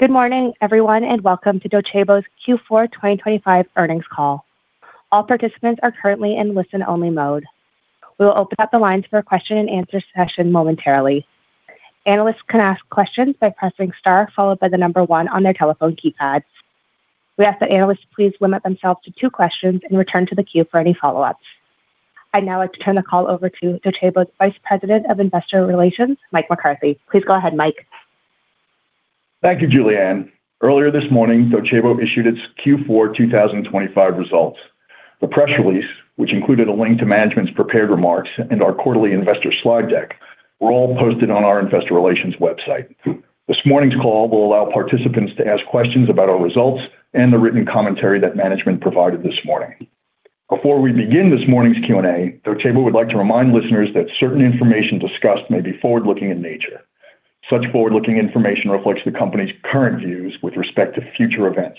Good morning, everyone, and welcome to Docebo's Q4 2025 earnings call. All participants are currently in listen-only mode. We will open up the lines for a question-and-answer session momentarily. Analysts can ask questions by pressing star followed by the number one on their telephone keypad. We ask that analysts please limit themselves to two questions and return to the queue for any follow-ups. I'd now like to turn the call over to Docebo's Vice President of Investor Relations, Mike McCarthy. Please go ahead, Mike. Thank you, Julianne. Earlier this morning, Docebo issued its Q4 2025 results. The press release, which included a link to management's prepared remarks and our quarterly investor slide deck, were all posted on our investor relations website. This morning's call will allow participants to ask questions about our results and the written commentary that management provided this morning. Before we begin this morning's Q&A, Docebo would like to remind listeners that certain information discussed may be forward-looking in nature. Such forward-looking information reflects the company's current views with respect to future events.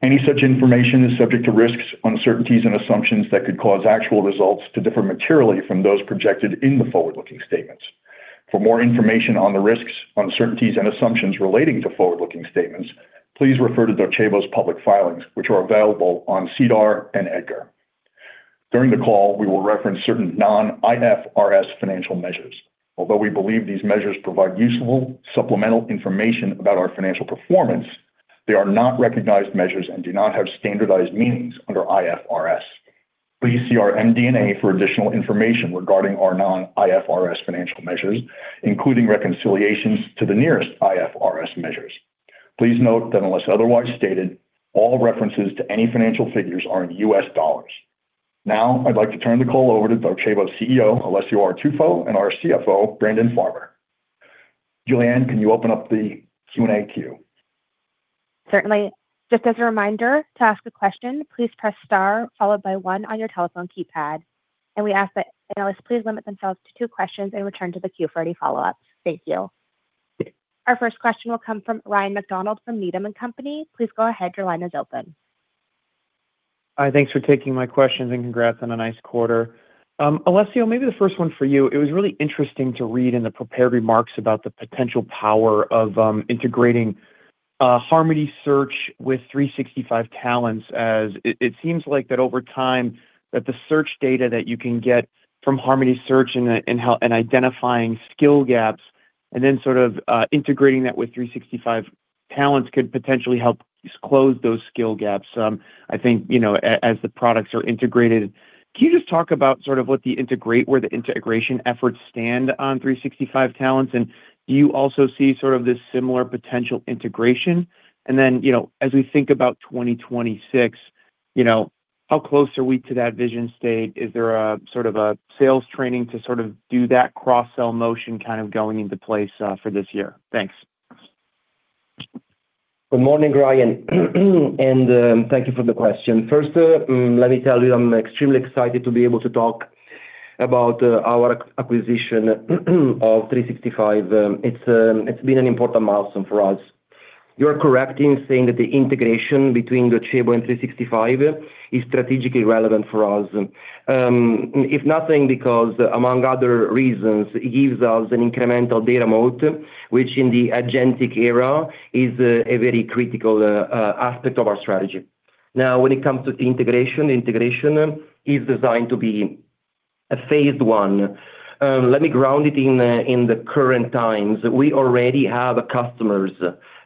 Any such information is subject to risks, uncertainties, and assumptions that could cause actual results to differ materially from those projected in the forward-looking statements. For more information on the risks, uncertainties, and assumptions relating to forward-looking statements, please refer to Docebo's public filings, which are available on SEDAR and EDGAR. During the call, we will reference certain non-IFRS financial measures. Although we believe these measures provide useful supplemental information about our financial performance, they are not recognized measures and do not have standardized meanings under IFRS. Please see our MD&A for additional information regarding our non-IFRS financial measures, including reconciliations to the nearest IFRS measures. Please note that unless otherwise stated, all references to any financial figures are in US dollars. Now, I'd like to turn the call over to Docebo's CEO, Alessio Artuffo, and our CFO, Brandon Farber. Julianne, can you open up the Q&A queue? Certainly. Just as a reminder, to ask a question, please press star followed by one on your telephone keypad, and we ask that analysts please limit themselves to two questions and return to the queue for any follow-ups. Thank you. Our first question will come from Ryan MacDonald from Needham & Company. Please go ahead. Your line is open. Hi, thanks for taking my questions, and congrats on a nice quarter. Alessio, maybe the first one for you. It was really interesting to read in the prepared remarks about the potential power of integrating Harmony Search with 365Talents, as it seems like that over time, that the search data that you can get from Harmony Search and identifying skill gaps and then sort of integrating that with 365Talents could potentially help close those skill gaps, I think, you know, as the products are integrated. Can you just talk about sort of what the where the integration efforts stand on 365Talents? Do you also see sort of this similar potential integration? You know, as we think about 2026, you know, how close are we to that vision state? Is there a sort of a sales training to sort of do that cross-sell motion kind of going into place for this year? Thanks. Good morning, Ryan. Thank you for the question. First, let me tell you, I'm extremely excited to be able to talk about our acquisition of 365. It's been an important milestone for us. You're correct in saying that the integration between Docebo and 365 is strategically relevant for us. If nothing, because among other reasons, it gives us an incremental data mode, which in the agentic era is a very critical aspect of our strategy. When it comes to integration is designed to be a phased one. Let me ground it in the current times. We already have customers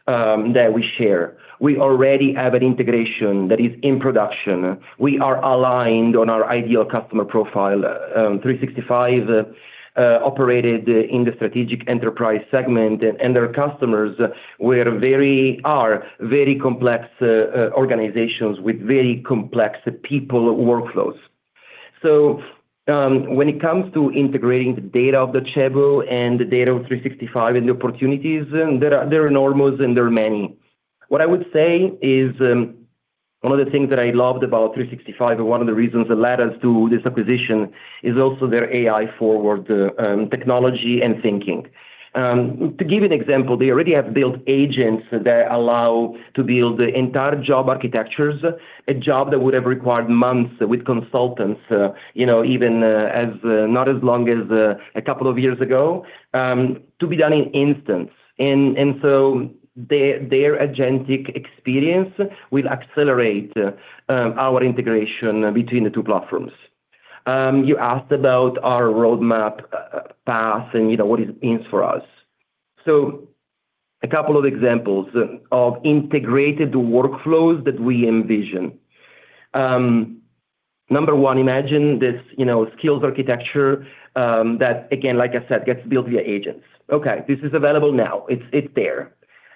that we share. We already have an integration that is in production. We are aligned on our ideal customer profile. 365Talents operated in the strategic enterprise segment, and their customers are very complex organizations with very complex people workflows. When it comes to integrating the data of Docebo and the data of 365Talents and the opportunities, there are enormous and there are many. What I would say is, one of the things that I loved about 365Talents and one of the reasons that led us to this acquisition is also their AI-forward technology and thinking. To give you an example, they already have built agents that allow to build the entire job architectures, a job that would have required months with consultants, you know, even as not as long as two years ago, to be done in instance. Their agentic experience will accelerate our integration between the two platforms. You asked about our roadmap path and, you know, what it means for us. A couple of examples of integrated workflows that we envision. Number one, imagine this, you know, skills architecture that again, like I said, gets built via agents. Okay, this is available now. It's there.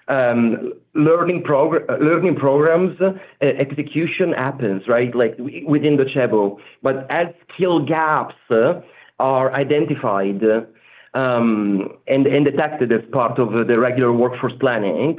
Learning programs, execution happens, right? Like within Docebo. As skill gaps are identified and detected as part of the regular workforce planning,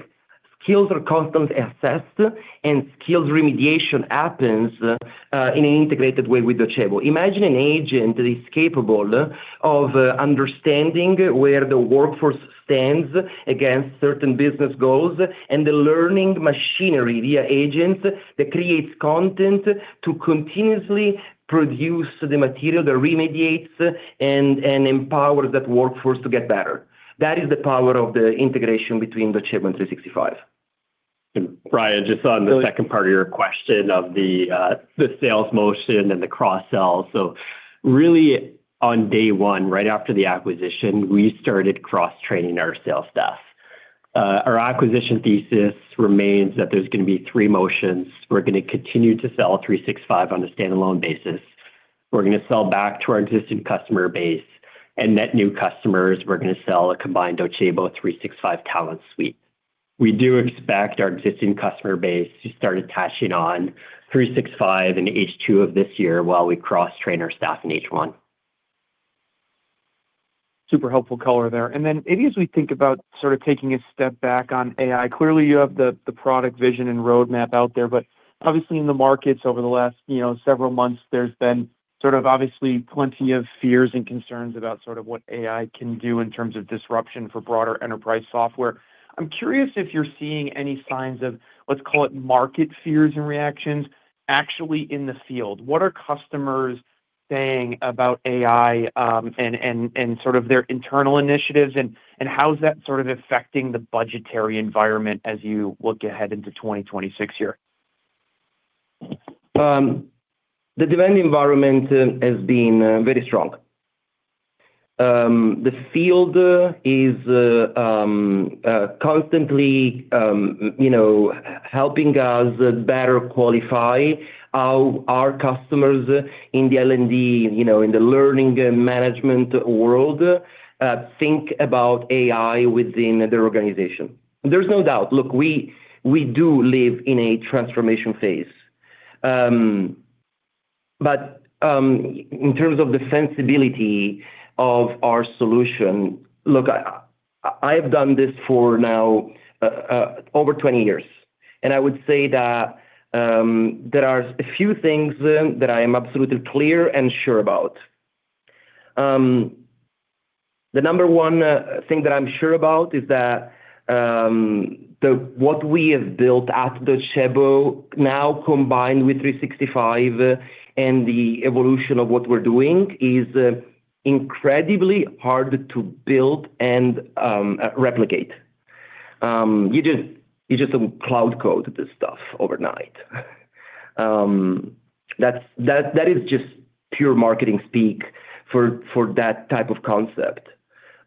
skills are constantly assessed, and skills remediation happens in an integrated way with Docebo. Imagine an agent that is capable of understanding where the workforce stands against certain business goals, and the learning machinery via agents that creates content to continuously produce the material that remediates and empowers that workforce to get better. That is the power of the integration between Docebo and 365. Ryan, just on the second part of your question of the sales motion and the cross-sell. Really, on day one, right after the acquisition, we started cross-training our sales staff. Our acquisition thesis remains that there's gonna be three motions. We're gonna continue to sell 365 on a standalone basis. We're gonna sell back to our existing customer base and net new customers. We're gonna sell a combined Docebo 365Talents suite. We do expect our existing customer base to start attaching on 365 in H2 of this year, while we cross-train our staff in H1. Super helpful color there. Maybe as we think about sort of taking a step back on AI, clearly, you have the product vision and roadmap out there. Obviously in the markets over the last, you know, several months, there's been sort of obviously plenty of fears and concerns about sort of what AI can do in terms of disruption for broader enterprise software. I'm curious if you're seeing any signs of, let's call it, market fears and reactions actually in the field. What are customers saying about AI, and sort of their internal initiatives, and how is that sort of affecting the budgetary environment as you look ahead into 2026 here? The demand environment has been very strong. The field is constantly, you know, helping us better qualify how our customers in the L&D, you know, in the learning and management world, think about AI within their organization. There's no doubt. Look, we do live in a transformation phase. In terms of the sensibility of our solution. Look, I've done this for now over 20 years, and I would say that there are a few things that I am absolutely clear and sure about. The number one thing that I'm sure about is that what we have built at Docebo now, combined with 365 and the evolution of what we're doing, is incredibly hard to build and replicate. You just don't Cloud Code this stuff overnight. That is just pure marketing speak for that type of concept.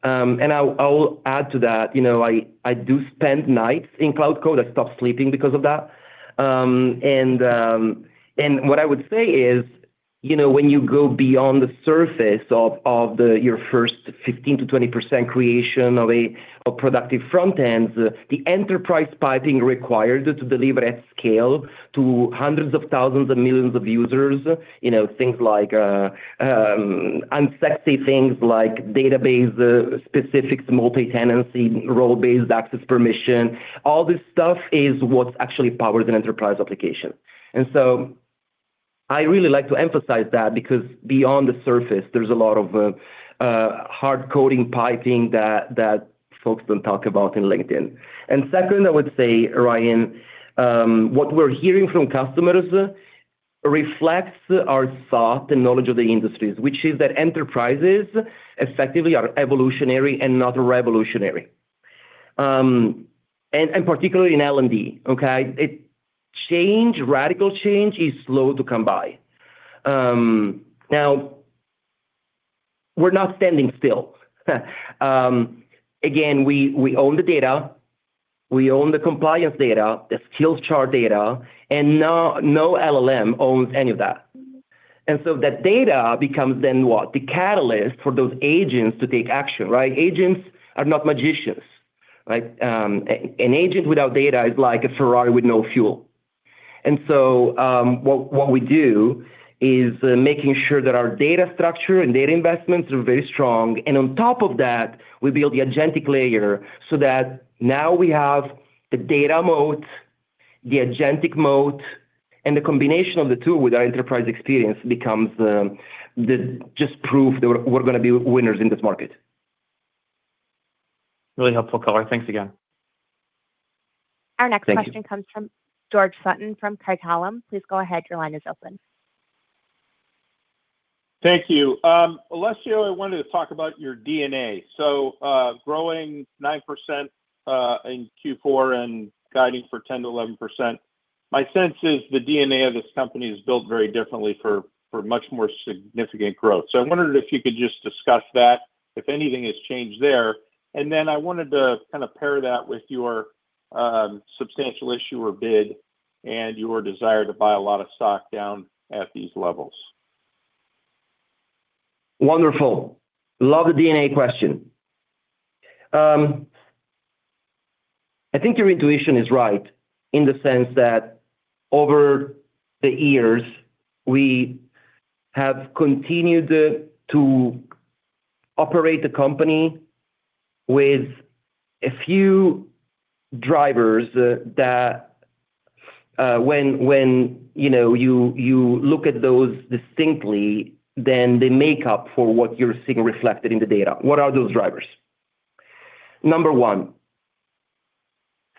And I will add to that, you know, I do spend nights in Cloud Code. I stop sleeping because of that. And what I would say is, you know, when you go beyond the surface of your first 15%-20% creation of a productive front end, the enterprise piping requires you to deliver at scale to hundreds of thousands and millions of users. You know, things like unsexy things like database specifics, multi-tenancy, role-based access, permission, all this stuff is what actually powers an enterprise application. I really like to emphasize that because beyond the surface, there's a lot of hard coding piping that folks don't talk about in LinkedIn. Second, I would say, Ryan, what we're hearing from customers reflects our thought and knowledge of the industries, which is that enterprises effectively are evolutionary and not revolutionary. And particularly in L&D, okay? Change, radical change is slow to come by. Now, we're not standing still. Again, we own the data, we own the compliance data, the skills chart data, and no LLM owns any of that. That data becomes then what? The catalyst for those agents to take action, right? Agents are not magicians, right? An agent without data is like a Ferrari with no fuel. What we do is making sure that our data structure and data investments are very strong, and on top of that, we build the agentic layer so that now we have the data mode, the agentic mode, and the combination of the two with our enterprise experience becomes the just proof that we're gonna be winners in this market. Really helpful color. Thanks again. Our next question. Thank you. comes from George Sutton from Craig-Hallum. Please go ahead. Your line is open. Thank you. Alessio, I wanted to talk about your DNA. Growing 9% in Q4 and guiding for 10%-11%, my sense is the DNA of this company is built very differently for much more significant growth. I wondered if you could just discuss that, if anything has changed there. I wanted to kind of pair that with your substantial issuer bid and your desire to buy a lot of stock down at these levels. Wonderful. Love the DNA question. I think your intuition is right in the sense that over the years, we have continued to operate the company with a few drivers that, you know, you look at those distinctly, then they make up for what you're seeing reflected in the data. What are those drivers? Number one,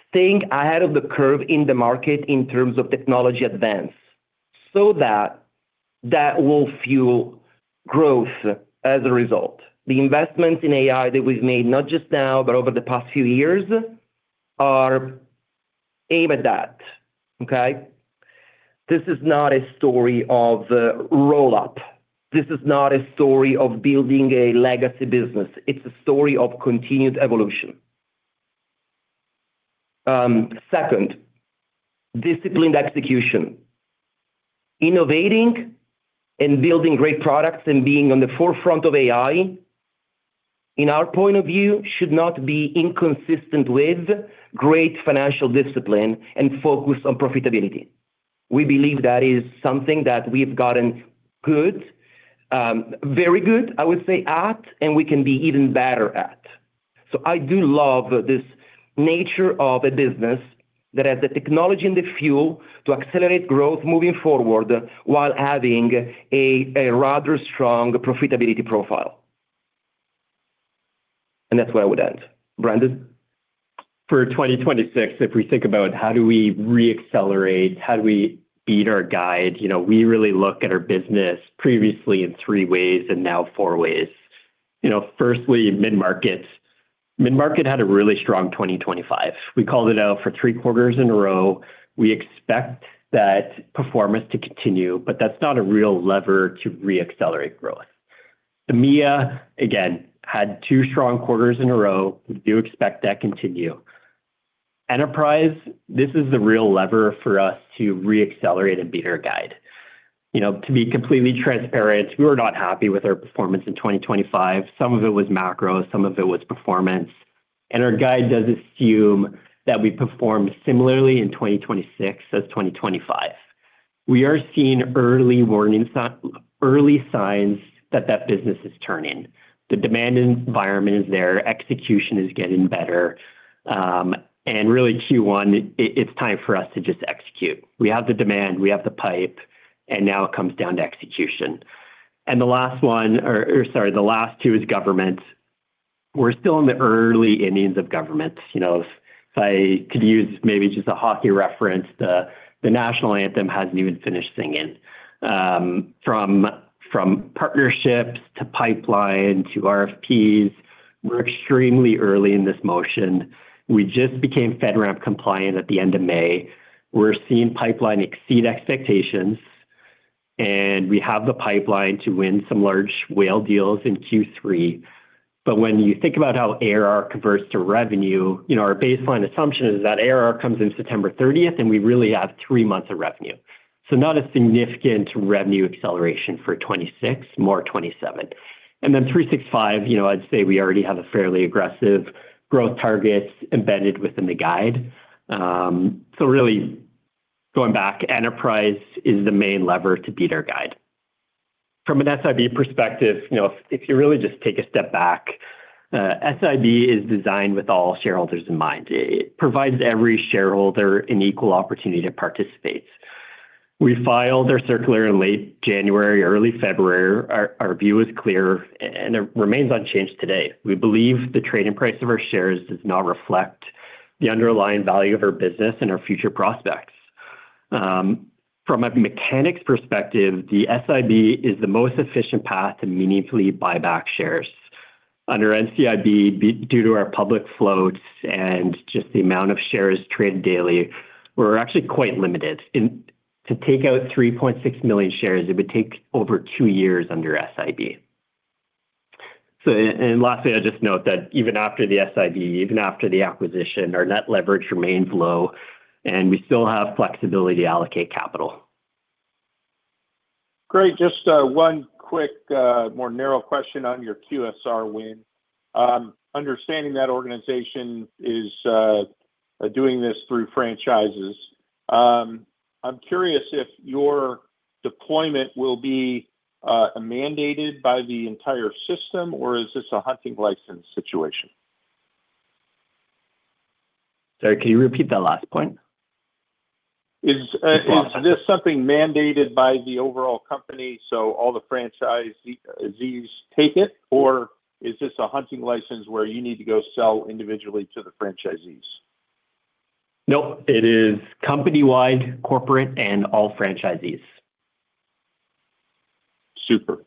staying ahead of the curve in the market in terms of technology advance. That will fuel growth as a result. The investments in AI that we've made, not just now, but over the past few years, are aimed at that, okay? This is not a story of the roll-up. This is not a story of building a legacy business. It's a story of continued evolution. Second, disciplined execution. Innovating and building great products and being on the forefront of AI, in our point of view, should not be inconsistent with great financial discipline and focus on profitability. We believe that is something that we've gotten good, very good, I would say, at, and we can be even better at. I do love this nature of a business that has the technology and the fuel to accelerate growth moving forward, while having a rather strong profitability profile. That's where I would end. Brandon? For 2026, if we think about how do we re-accelerate, how do we beat our guide, you know, we really look at our business previously in three ways and now four ways. You know, firstly, mid-markets. Mid-market had a really strong 2025. We called it out for three quarters in a row. We expect that performance to continue, but that's not a real lever to re-accelerate growth. EMEA, again, had two strong quarters in a row. We do expect that continue. Enterprise, this is the real lever for us to re-accelerate and beat our guide. You know, to be completely transparent, we were not happy with our performance in 2025. Some of it was macro, some of it was performance, and our guide does assume that we performed similarly in 2026 as 2025. We are seeing early signs that that business is turning. The demand environment is there, execution is getting better, really Q1, it's time for us to just execute. We have the demand, we have the pipe, now it comes down to execution. The last one, or sorry, the last two is government. We're still in the early innings of government. You know, if I could use maybe just a hockey reference, the national anthem hasn't even finished singing. From partnerships to pipeline to RFPs, we're extremely early in this motion. We just became FedRAMP compliant at the end of May. We're seeing pipeline exceed expectations, we have the pipeline to win some large whale deals in Q3. When you think about how ARR converts to revenue, you know, our baseline assumption is that ARR comes in September 30th, and we really have three months of revenue. Not a significant revenue acceleration for 2026, more 2027. 365Talents, you know, I'd say we already have a fairly aggressive growth targets embedded within the guide. Really, going back, enterprise is the main lever to beat our guide. From an SIB perspective, you know, if you really just take a step back, SIB is designed with all shareholders in mind. It provides every shareholder an equal opportunity to participate. We filed our circular in late January, early February. Our view is clear, and it remains unchanged today. We believe the trading price of our shares does not reflect the underlying value of our business and our future prospects. From a mechanics perspective, the SIB is the most efficient path to meaningfully buy back shares. Under NCIB, due to our public floats and just the amount of shares traded daily, we're actually quite limited. To take out 3.6 million shares, it would take over two years under SIB. Lastly, I'll just note that even after the SIB, even after the acquisition, our net leverage remains low, and we still have flexibility to allocate capital. Great. Just one quick, more narrow question on your QSR win. Understanding that organization is doing this through franchises, I'm curious if your deployment will be mandated by the entire system, or is this a hunting license situation? Sorry, can you repeat that last point? Is this something mandated by the overall company, so all the franchisees take it, or is this a hunting license where you need to go sell individually to the franchisees? Nope, it is company-wide, corporate, and all franchisees. Super.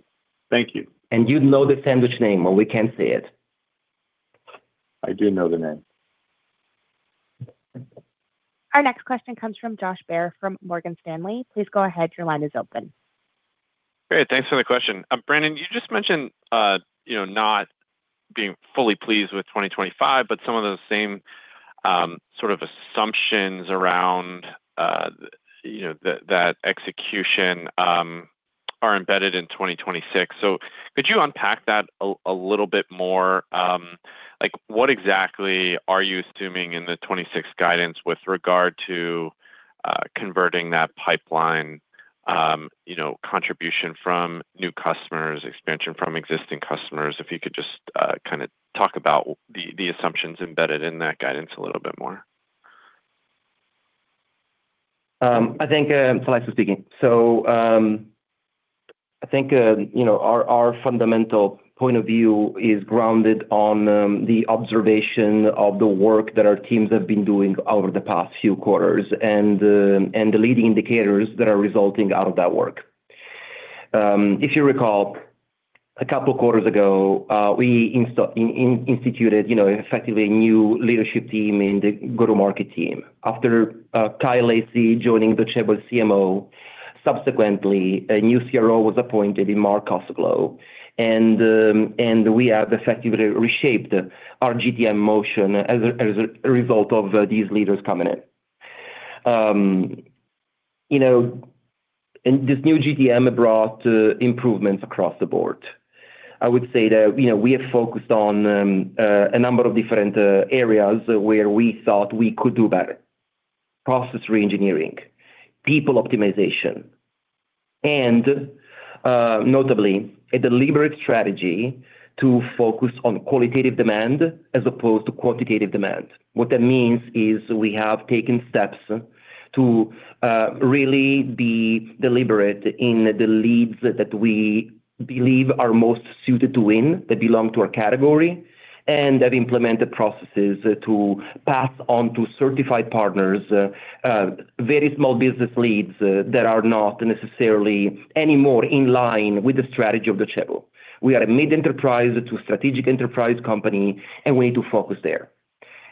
Thank you. You know the sandwich name, but we can't say it. I do know the name. Our next question comes from Josh Baer from Morgan Stanley. Please go ahead, your line is open. Great, thanks for the question. Brandon, you just mentioned, you know, not being fully pleased with 2025, but some of the same sort of assumptions around, you know, the, that execution are embedded in 2026. Could you unpack that a little bit more? Like, what exactly are you assuming in the 26 guidance with regard to converting that pipeline, you know, contribution from new customers, expansion from existing customers? If you could just kind of talk about the assumptions embedded in that guidance a little bit more. I think Celeste speaking. I think, you know, our fundamental point of view is grounded on the observation of the work that our teams have been doing over the past few quarters, and the, and the leading indicators that are resulting out of that work. If you recall, a couple quarters ago, we instituted, you know, effectively a new leadership team in the go-to-market team. After Kyle Lacy joining the CMO, subsequently, a new CRO was appointed in Mark Kosoglow, and we have effectively reshaped our GTM motion as a result of these leaders coming in. You know, this new GTM brought improvements across the board. I would say that, you know, we have focused on a number of different areas where we thought we could do better: process reengineering, people optimization, and notably, a deliberate strategy to focus on qualitative demand as opposed to quantitative demand. What that means is we have taken steps to really be deliberate in the leads that we believe are most suited to win, that belong to our category, and have implemented processes to pass on to certified partners, very small business leads, that are not necessarily any more in line with the strategy of the Docebo. We are a mid-enterprise to strategic enterprise company, and we need to focus there.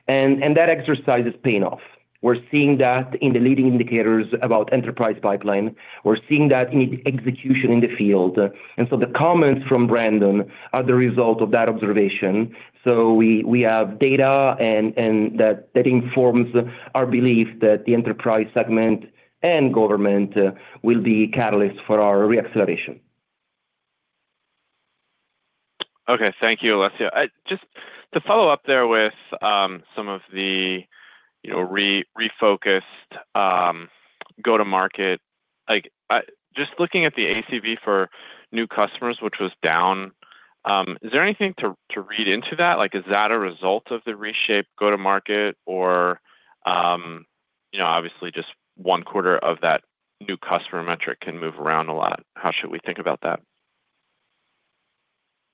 That exercise is paying off. We're seeing that in the leading indicators about enterprise pipeline. We're seeing that in execution in the field. The comments from Brandon are the result of that observation. We have data and that informs our belief that the enterprise segment and government will be catalysts for our reacceleration. Thank you, Alessio. Just to follow up there with some of the, you know, refocused go-to-market, like, just looking at the ACV for new customers, which was down, is there anything to read into that? Like, is that a result of the reshaped go-to-market or, you know, obviously just one quarter of that new customer metric can move around a lot. How should we think about that?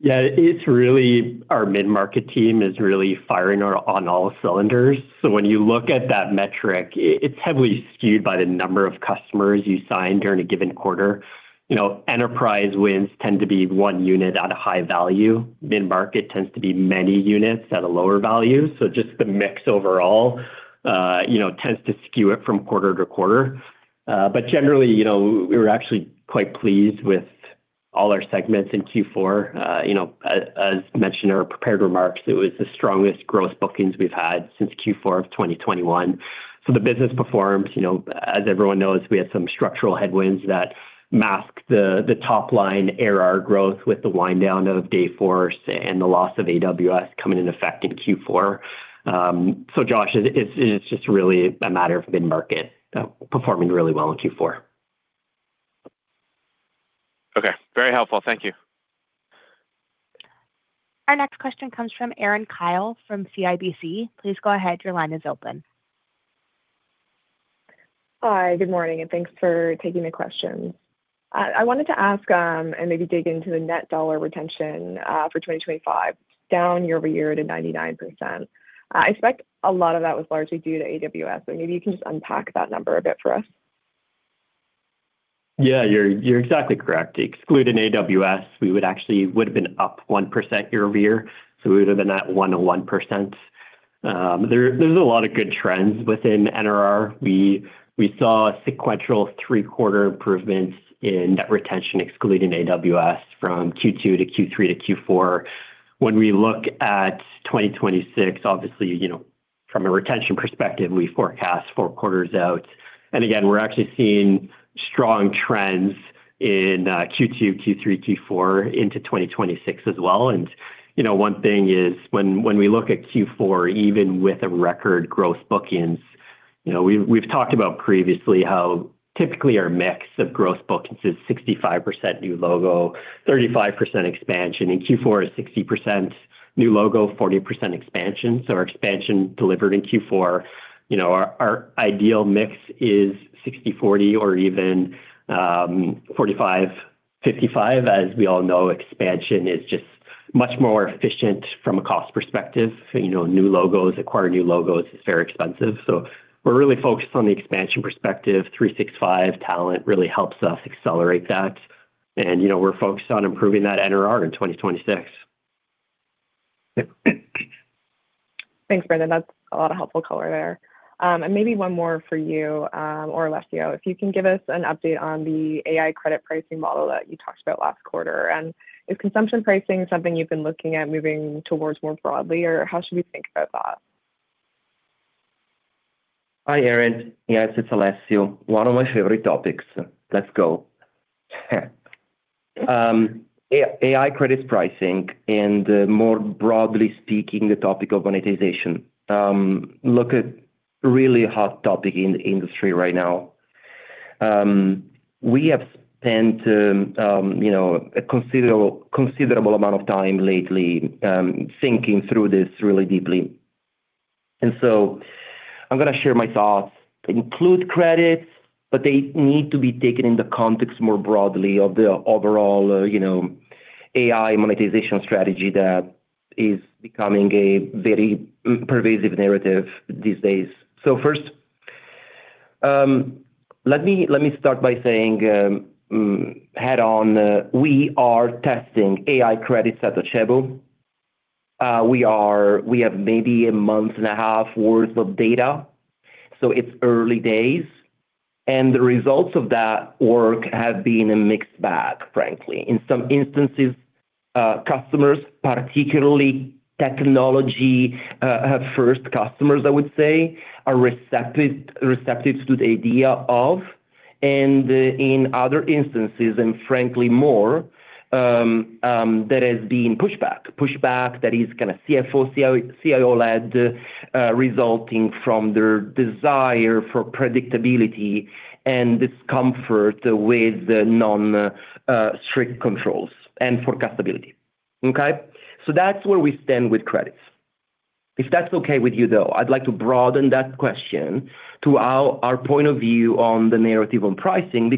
Yeah, it's really our mid-market team is really firing on all cylinders. When you look at that metric, it's heavily skewed by the number of customers you sign during a given quarter. You know, enterprise wins tend to be 1 unit at a high value. Mid-market tends to be many units at a lower value. Just the mix overall, you know, tends to skew it from quarter-to-quarter. Generally, you know, we were actually quite pleased with all our segments in Q4. You know, as mentioned in our prepared remarks, it was the strongest gross bookings we've had since Q4 of 2021. The business performed, you know, as everyone knows, we had some structural headwinds that masked the top line, ARR growth, with the wind down of Dayforce and the loss of AWS coming in effect in Q4. Josh, it's just really a matter of mid-market, performing really well in Q4. Okay. Very helpful. Thank you. Our next question comes from Erin Kyle, from CIBC. Please go ahead. Your line is open. Hi, good morning, and thanks for taking the questions. I wanted to ask, and maybe dig into the net dollar retention, for 2025, down year-over-year to 99%. I expect a lot of that was largely due to AWS, so maybe you can just unpack that number a bit for us. Yeah, you're exactly correct. Excluding AWS, we would actually have been up 1% year-over-year, so we would have been at 101%. There's a lot of good trends within NRR. We saw sequential three quarter improvements in net retention, excluding AWS from Q2 to Q3 to Q4. When we look at 2026, obviously, you know, from a retention perspective, we forecast four quarters out. Again, we're actually seeing strong trends in Q2, Q3, Q4 into 2026 as well. You know, one thing is when we look at Q4, even with a record gross bookings, you know, we've talked about previously how typically our mix of gross bookings is 65% new logo, 35% expansion. In Q4, is 60% new logo, 40% expansion. Our expansion delivered in Q4, you know, our ideal mix is 60, 40, or even 45, 55. As we all know, expansion is just much more efficient from a cost perspective. You know, new logos, acquiring new logos is very expensive. We're really focused on the expansion perspective. 365Talents really helps us accelerate that, and, you know, we're focused on improving that NRR in 2026. Thanks, Brandon. That's a lot of helpful color there. maybe one more for you, or Alessio, if you can give us an update on the AI credit pricing model that you talked about last quarter? is consumption pricing something you've been looking at moving towards more broadly, or how should we think about that? Hi, Erin. Yes, it's Alessio. One of my favorite topics. Let's go. AI credit pricing, and more broadly speaking, the topic of monetization. look at really hot topic in the industry right now. we have spent, you know, a considerable amount of time lately, thinking through this really deeply. I'm gonna share my thoughts. Include credits, but they need to be taken in the context more broadly of the overall, you know, AI monetization strategy that is becoming a very pervasive narrative these days. First, let me start by saying, head-on, we are testing AI credits at Docebo. we have maybe a month and a half worth of data, so it's early days, and the results of that work have been a mixed bag, frankly. In some instances, customers, particularly technology, first customers, I would say, are receptive to the idea of, and in other instances, and frankly, more, there has been pushback. Pushback that is kind of CFO, CIO-led, resulting from their desire for predictability and discomfort with non, strict controls and forecastability. Okay? That's where we stand with credits. If that's okay with you, though, I'd like to broaden that question to our point of view on the narrative on pricing,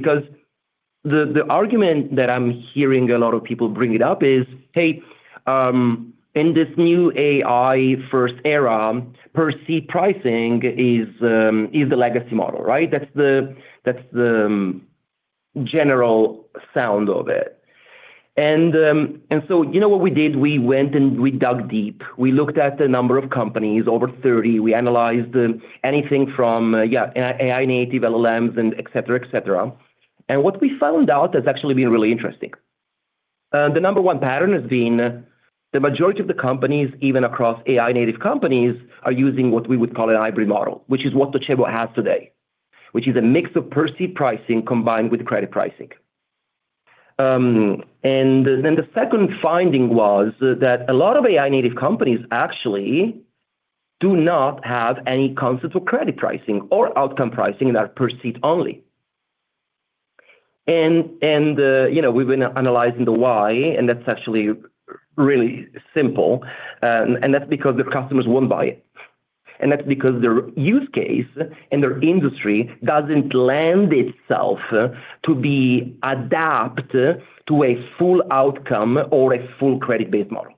because the argument that I'm hearing a lot of people bring it up is, "Hey, in this new AI first era, per seat pricing is the legacy model," right? That's the general sound of it. You know what we did? We went and we dug deep. We looked at the number of companies, over 30. We analyzed anything from, yeah, AI native, LLMs, and et cetera, et cetera. What we found out has actually been really interesting. The number 1 pattern has been the majority of the companies, even across AI native companies, are using what we would call a hybrid model, which is what Docebo has today, which is a mix of per seat pricing combined with credit pricing. The second finding was that a lot of AI native companies actually do not have any concept of credit pricing or outcome pricing, and are per seat only. you know, we've been analyzing the why, that's actually really simple, that's because the customers won't buy it, that's because their use case and their industry doesn't lend itself to be adapt to a full outcome or a full credit-based model.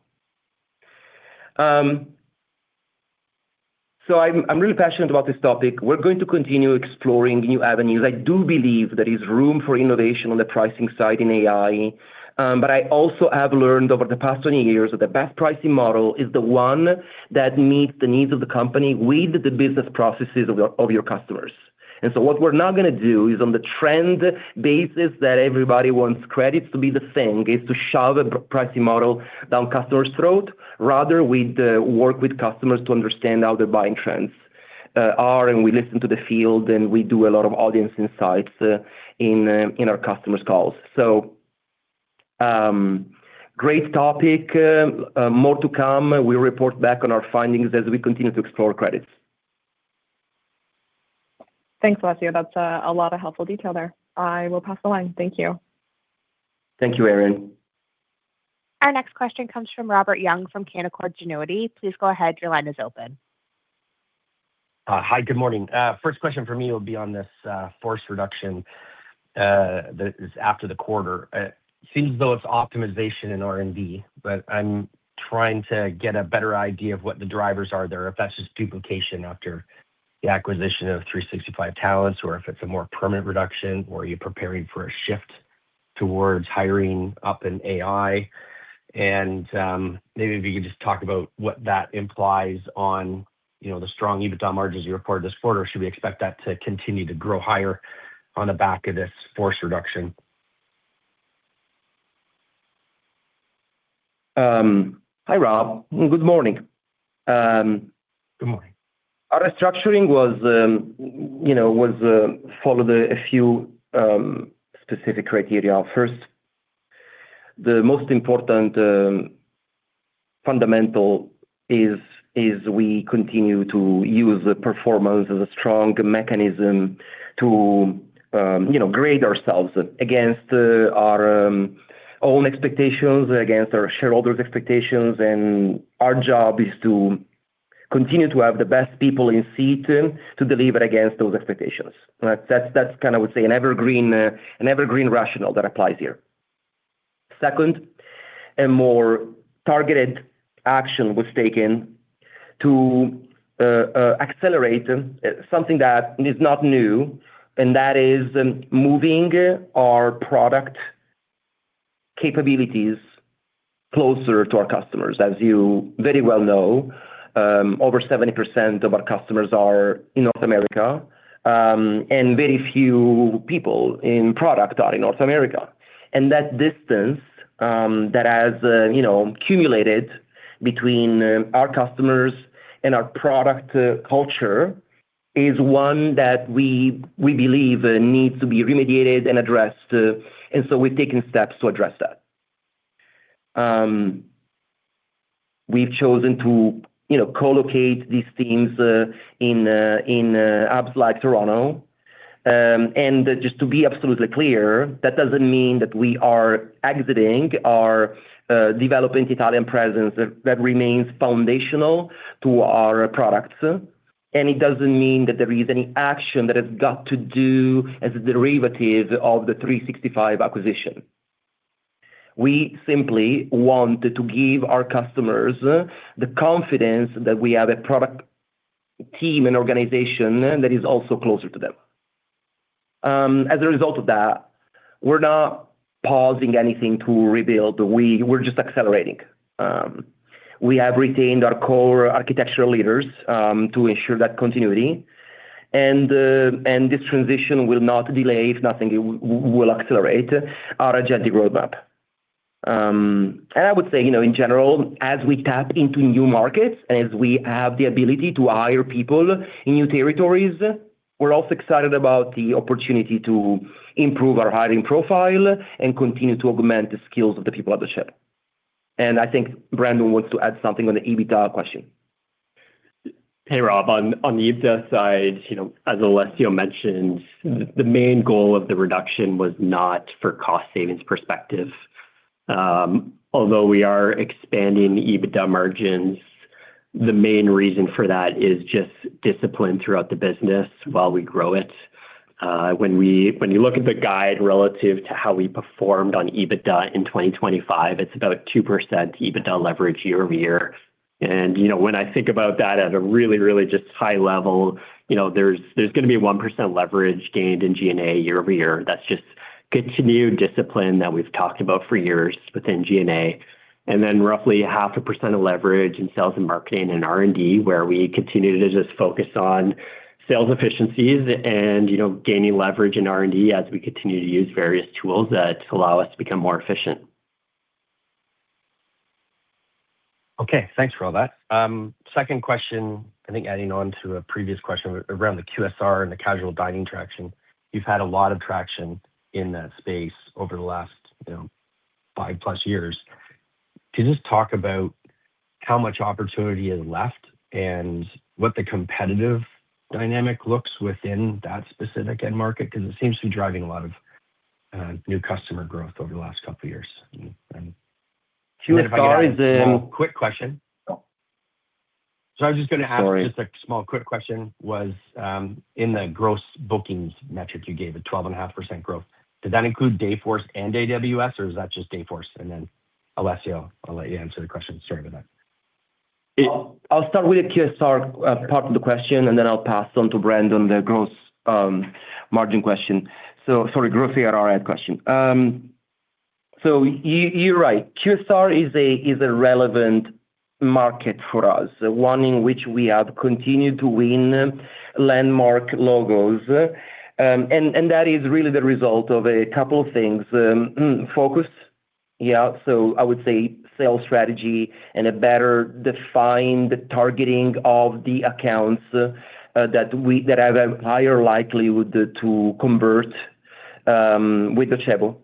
I'm really passionate about this topic. We're going to continue exploring new avenues. I do believe there is room for innovation on the pricing side in AI, but I also have learned over the past 20 years that the best pricing model is the one that meets the needs of the company with the business processes of your customers. What we're not gonna do is, on the trend basis that everybody wants credits to be the thing, is to shove a pricing model down customers' throat. Rather, we'd work with customers to understand how their buying trends are, and we listen to the field, and we do a lot of audience insights in our customers' calls. Great topic, more to come. We'll report back on our findings as we continue to explore credits. Thanks, Alessio. That's a lot of helpful detail there. I will pass the line. Thank you. Thank you, Erin. Our next question comes from Robert Young, from Canaccord Genuity. Please go ahead. Your line is open. Hi, good morning. First question for me will be on this force reduction that is after the quarter. It seems as though it's optimization in R&D, but I'm trying to get a better idea of what the drivers are there, if that's just duplication after the acquisition of 365Talents, or if it's a more permanent reduction, or are you preparing for a shift towards hiring up in AI? Maybe if you could just talk about what that implies on, you know, the strong EBITDA margins you reported this quarter. Should we expect that to continue to grow higher on the back of this force reduction? Hi, Rob. Good morning. Good morning. Our restructuring was, you know, followed a few specific criteria. First, the most important fundamental is, we continue to use the performance as a strong mechanism to, you know, grade ourselves against our own expectations, against our shareholders' expectations. Our job is to continue to have the best people in seat to deliver against those expectations. That's kind of, I would say, an evergreen, an evergreen rationale that applies here. Second, a more targeted action was taken to accelerate something that is not new. That is, moving our product capabilities closer to our customers. As you very well know, over 70% of our customers are in North America. Very few people in product are in North America. That distance, that has, you know, accumulated between our customers and our product culture, is one that we believe, needs to be remediated and addressed, and so we've taken steps to address that. We've chosen to, you know, co-locate these teams in hubs like Toronto, and just to be absolutely clear, that doesn't mean that we are exiting our developing Italian presence, that remains foundational to our products. It doesn't mean that there is any action that has got to do as a derivative of the 365 acquisition. We simply want to give our customers the confidence that we have a product team and organization that is also closer to them. As a result of that, we're not pausing anything to rebuild, we're just accelerating. We have retained our core architectural leaders to ensure that continuity, this transition will not delay, if nothing, it will accelerate our agenda roadmap. I would say, you know, in general, as we tap into new markets and as we have the ability to hire people in new territories, we're also excited about the opportunity to improve our hiring profile and continue to augment the skills of the people at the ship. I think Brandon Farber wants to add something on the EBITDA question. Hey, Robert Young, on the EBITDA side, you know, as Alessio Artuffo mentioned, the main goal of the reduction was not for cost savings perspective. Although we are expanding EBITDA margins, the main reason for that is just discipline throughout the business while we grow it. When you look at the guide relative to how we performed on EBITDA in 2025, it's about 2% EBITDA leverage year-over-year. You know, when I think about that at a really, really just high level, you know, there's gonna be 1% leverage gained in G&A year-over-year. That's just continued discipline that we've talked about for years within G&A. Then roughly 0.5% of leverage in sales and marketing and R&D, where we continue to just focus on sales efficiencies and, you know, gaining leverage in R&D as we continue to use various tools to allow us to become more efficient. Okay, thanks for all that. second question, I think adding on to a previous question around the QSR and the casual dining traction. You've had a lot of traction in that space over the last, you know, 5+ years. Can you just talk about how much opportunity is left and what the competitive dynamic looks within that specific end market? It seems to be driving a lot of new customer growth over the last couple of years. two quick questions. Small, quick question. Sure. I was just gonna ask just a small quick question, was, in the gross bookings metric you gave, a 12.5% growth, did that include Salesforce and AWS, or is that just Salesforce? Alessio, I'll let you answer the question starting with that. I'll start with the QSR part of the question, and then I'll pass on to Brandon Farber, the gross margin question. Sorry, growth ARR question. You're right. QSR is a relevant market for us, one in which we have continued to win landmark logos. That is really the result of a couple of things. Focus, I would say sales strategy and a better defined targeting of the accounts that have a higher likelihood to convert with Docebo.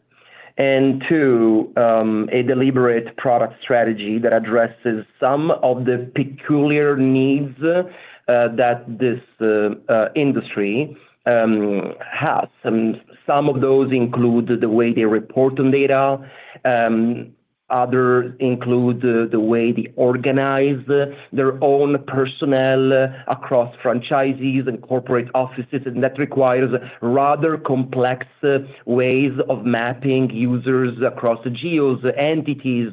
Two, a deliberate product strategy that addresses some of the peculiar needs that this industry has. Some of those include the way they report on data, others include the way they organize their own personnel across franchises and corporate offices, and that requires rather complex ways of mapping users across the geos, entities,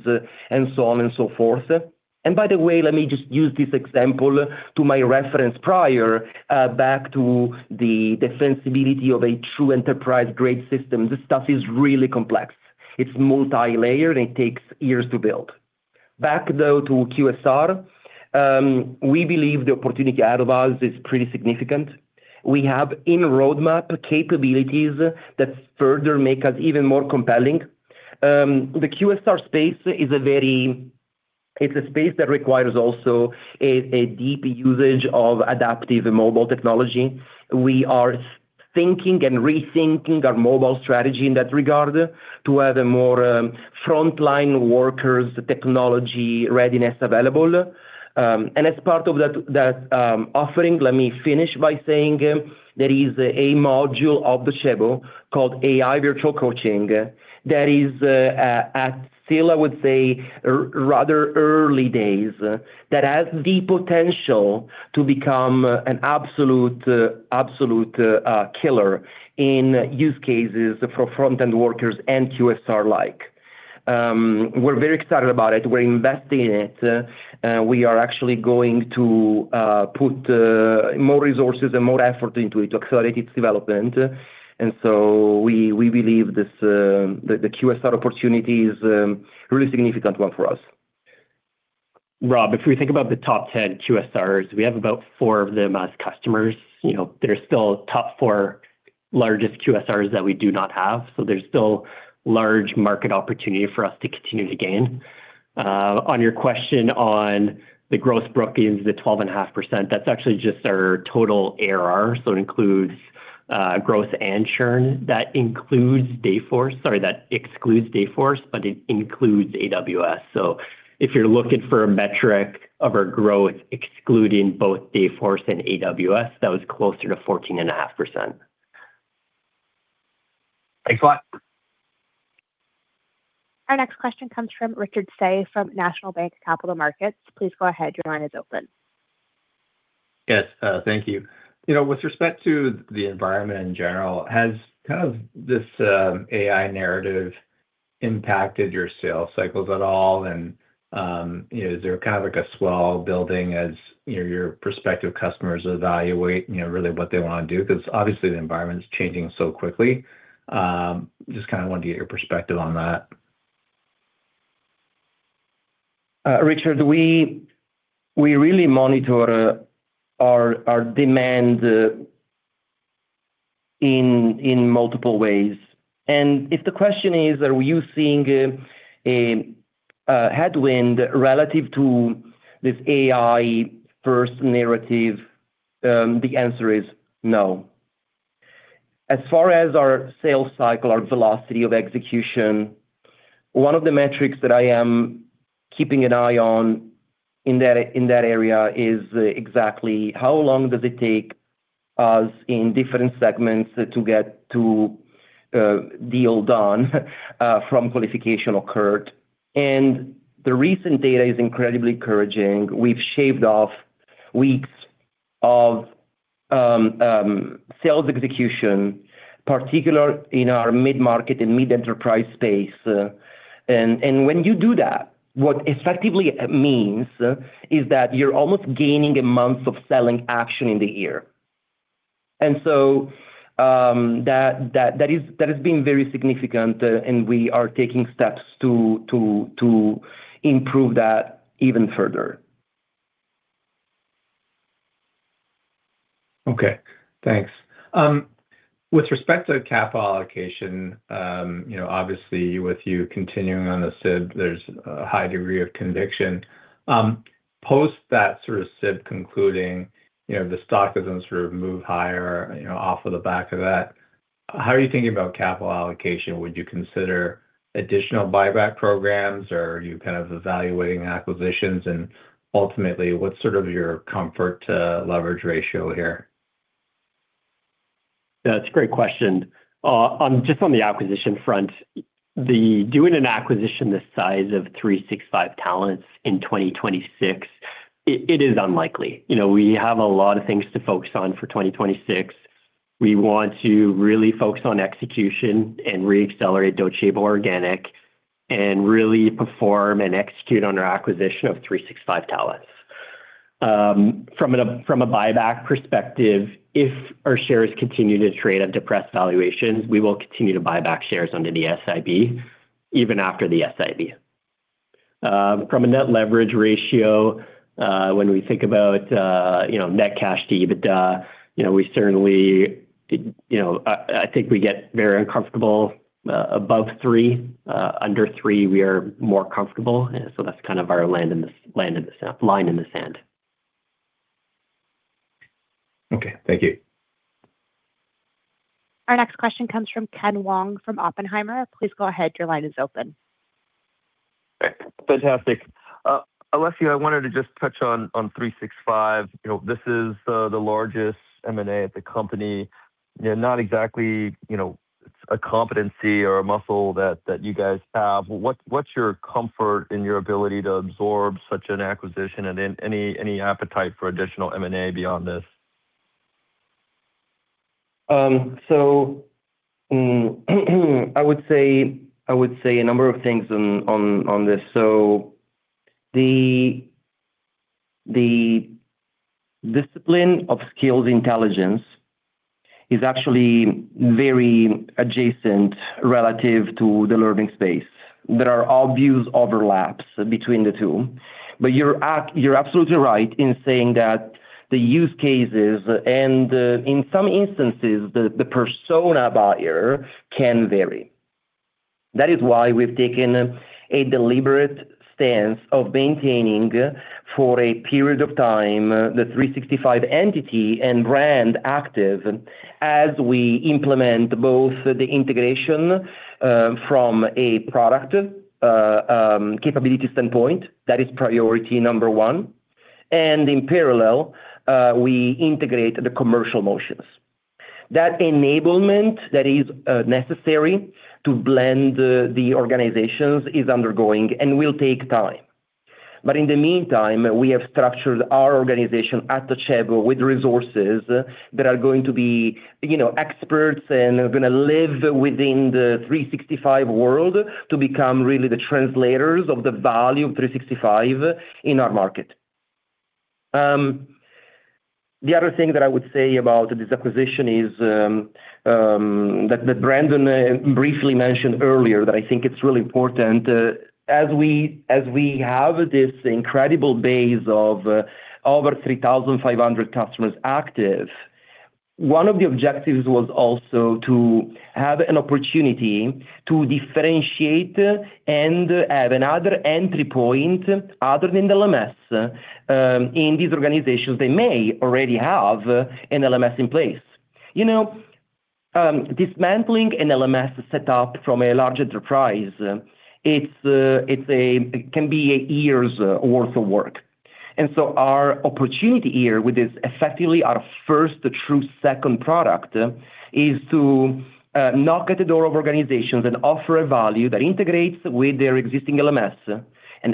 and so on and so forth. By the way, let me just use this example to my reference prior back to the defensibility of a true enterprise-grade system. This stuff is really complex. It's multilayered, and it takes years to build. Back, though, to QSR, we believe the opportunity ahead of us is pretty significant. We have in-roadmap capabilities that further make us even more compelling. The QSR space is a very it's a space that requires also a deep usage of adaptive mobile technology. We are thinking and rethinking our mobile strategy in that regard to have a more frontline workers technology readiness available. As part of that offering, let me finish by saying, there is a module of the Docebo called AI Virtual Coaching. That is at still, I would say, rather early days, that has the potential to become an absolute killer in use cases for front-end workers and QSR-like. We're very excited about it. We're investing in it. We are actually going to put more resources and more effort into it to accelerate its development. So we believe this, the QSR opportunity is a really significant one for us. Rob, if we think about the top 10 QSRs, we have about four of them as customers. You know, there are still top four largest QSRs that we do not have, so there's still large market opportunity for us to continue to gain. On your question on the gross bookings, the 12.5%, that's actually just our total ARR. It includes growth and churn. That includes Salesforce, sorry, that excludes Salesforce, but it includes AWS. If you're looking for a metric of our growth, excluding both Salesforce and AWS, that was closer to 14.5%. Thanks a lot. Our next question comes from Richard Tse from National Bank Capital Markets. Please go ahead. Your line is open. Yes, thank you. You know, with respect to the environment in general, has kind of this AI narrative impacted your sales cycles at all? you know, is there kind of like a swell building as your prospective customers evaluate, you know, really what they want to do? Because obviously, the environment is changing so quickly. Just kind of want to get your perspective on that. Richard, we really monitor our demand in multiple ways. If the question is, are you seeing a headwind relative to this AI first narrative, the answer is no. As far as our sales cycle, our velocity of execution, one of the metrics that I am keeping an eye on in that area is exactly how long does it take us in different segments to get to deal done from qualification occurred. The recent data is incredibly encouraging. We've shaved off weeks of sales execution, particularly in our mid-market and mid-enterprise space. When you do that, what effectively it means is that you're almost gaining a month of selling action in the year. That has been very significant, and we are taking steps to improve that even further. Okay, thanks. With respect to capital allocation, you know, obviously, with you continuing on the SIB, there's a high degree of conviction. Post that sort of SIB concluding, you know, the stock doesn't sort of move higher, you know, off of the back of that. How are you thinking about capital allocation? Would you consider additional buyback programs, or are you kind of evaluating acquisitions, and ultimately, what's sort of your comfort to leverage ratio here? That's a great question. On just on the acquisition front, doing an acquisition this size of 365Talents in 2026, it is unlikely. You know, we have a lot of things to focus on for 2026. We want to really focus on execution and re-accelerate Docebo organic, really perform and execute on our acquisition of 365Talents. From a buyback perspective, if our shares continue to trade at depressed valuations, we will continue to buy back shares under the SIB, even after the SIB. From a net leverage ratio, when we think about, you know, net cash to EBITDA, you know, we certainly, you know, I think we get very uncomfortable, above 3, under 3, we are more comfortable. That's kind of our line in the sand. Okay, thank you. Our next question comes from Ken Wong from Oppenheimer. Please go ahead. Your line is open. Fantastic. Alessio, I wanted to just touch on 365Talents. You know, this is the largest M&A at the company, yeah, not exactly, you know, a competency or a muscle that you guys have. What's your comfort in your ability to absorb such an acquisition and any appetite for additional M&A beyond this? I would say a number of things on this. The discipline of skills intelligence is actually very adjacent relative to the learning space. There are obvious overlaps between the two, but you're absolutely right in saying that the use cases, and in some instances, the persona buyer can vary. That is why we've taken a deliberate stance of maintaining, for a period of time, the 365Talents entity and brand active as we implement both the integration, from a product capability standpoint, that is priority number one, and in parallel, we integrate the commercial motions. That enablement that is necessary to blend the organizations is undergoing and will take time. In the meantime, we have structured our organization at Docebo with resources that are going to be, you know, experts and are gonna live within the 365Talents world to become really the translators of the value of 365Talents in our market. The other thing that I would say about this acquisition is that Brandon briefly mentioned earlier, that I think it's really important, as we, as we have this incredible base of over 3,500 customers active, one of the objectives was also to have an opportunity to differentiate and have another entry point other than the LMS, in these organizations, they may already have an LMS in place. You know, dismantling an LMS set up from a large enterprise, it can be a year's worth of work. Our opportunity here with this effectively our first, the true second product, is to knock at the door of organizations and offer a value that integrates with their existing LMS.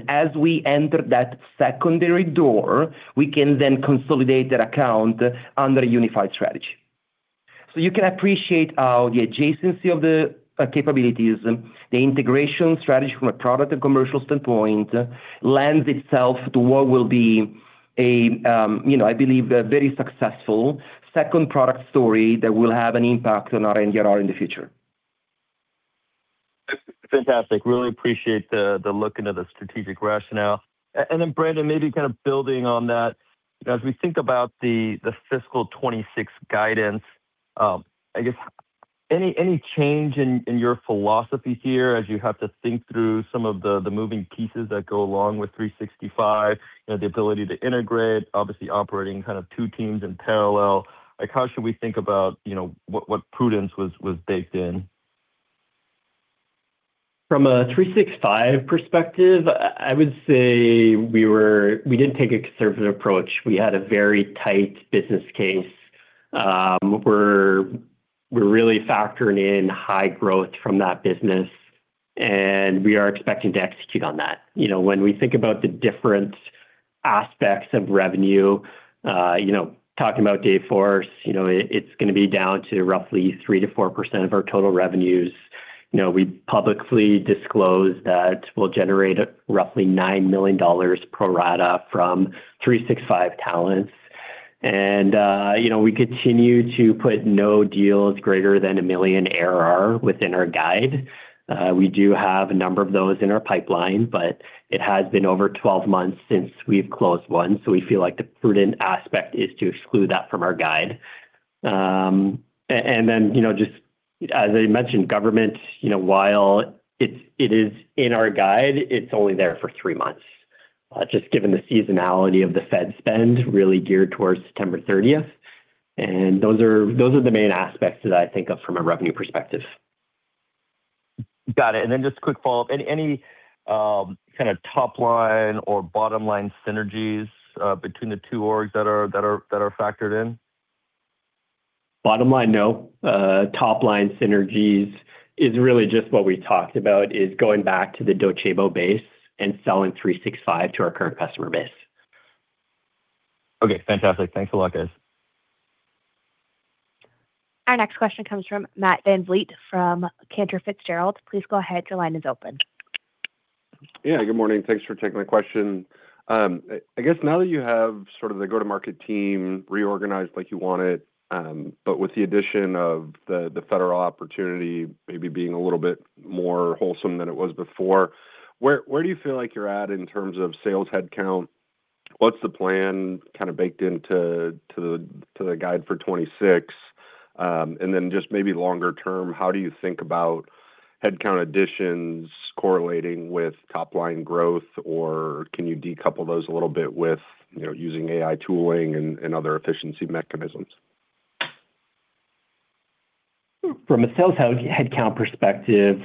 As we enter that secondary door, we can then consolidate that account under a unified strategy. You can appreciate how the adjacency of the capabilities and the integration strategy from a product and commercial standpoint, lends itself to what will be a, you know, I believe, a very successful second product story that will have an impact on our NRR in the future. Fantastic. Really appreciate the look into the strategic rationale. Then, Brandon Farber, maybe kind of building on that, as we think about the fiscal 26 guidance, I guess, any change in your philosophy here as you have to think through some of the moving pieces that go along with 365Talents, you know, the ability to integrate, obviously operating kind of two teams in parallel? Like, how should we think about, you know, what prudence was baked in? From a 365Talents perspective, I would say we didn't take a conservative approach. We had a very tight business case. We're really factoring in high growth from that business, we are expecting to execute on that. You know, when we think about the different aspects of revenue, you know, talking about Dayforce, you know, it's going to be down to roughly 3%-4% of our total revenues. You know, we publicly disclosed that we'll generate roughly $9 million pro rata from 365Talents. You know, we continue to put no deals greater than $1 million ARR within our guide. We do have a number of those in our pipeline, it has been over 12 months since we've closed one, we feel like the prudent aspect is to exclude that from our guide. and then, you know, just as I mentioned, government, you know, while it's, it is in our guide, it's only there for three months, just given the seasonality of the Fed spend, really geared towards September 30th. Those are, those are the main aspects that I think of from a revenue perspective. Got it. Just a quick follow-up. Any kind of top line or bottom-line synergies between the two orgs that are factored in? Bottom line, no. Top line synergies is really just what we talked about, is going back to the Docebo base and selling 365 to our current customer base. Okay, fantastic. Thanks a lot, guys. Our next question comes from Matt VanVliet Yeah, good morning. Thanks for taking my question. I guess now that you have sort of the Go-to-Market team reorganized like you wanted, with the addition of the federal opportunity maybe being a little bit more wholesome than it was before, where do you feel like you're at in terms of sales headcount? What's the plan kind of baked into the guide for 26? Then just maybe longer term, how do you think about headcount additions correlating with top-line growth, or can you decouple those a little bit with, you know, using AI tooling and other efficiency mechanisms? From a sales headcount perspective,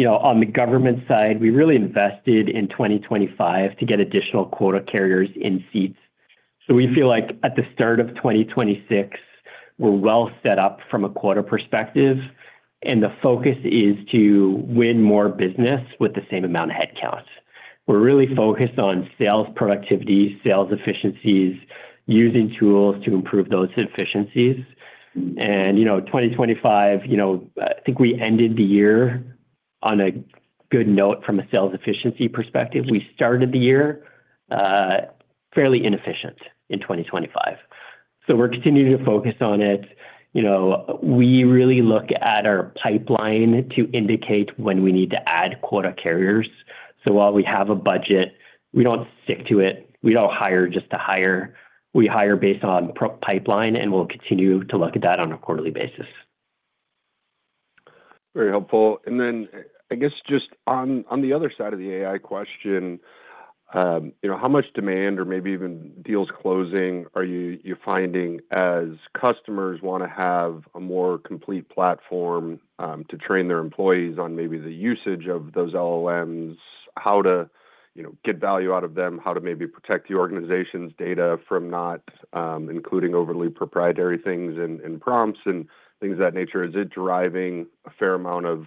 you know, on the government side, we really invested in 2025 to get additional quota carriers in seats. We feel like at the start of 2026, we're well set up from a quota perspective, the focus is to win more business with the same amount of headcount. We're really focused on sales productivity, sales efficiencies, using tools to improve those efficiencies. You know, 2025, you know, I think we ended the year on a good note from a sales efficiency perspective. We started the year fairly inefficient in 2025. We're continuing to focus on it. You know, we really look at our pipeline to indicate when we need to add quota carriers. While we have a budget, we don't stick to it. We don't hire just to hire, we hire based on pipeline, and we'll continue to look at that on a quarterly basis. Very helpful. I guess, just on the other side of the AI question, you know, how much demand or maybe even deals closing are you finding as customers want to have a more complete platform to train their employees on maybe the usage of those LLMs, how to, you know, get value out of them, how to maybe protect the organization's data from not including overly proprietary things and prompts, and things of that nature? Is it driving a fair amount of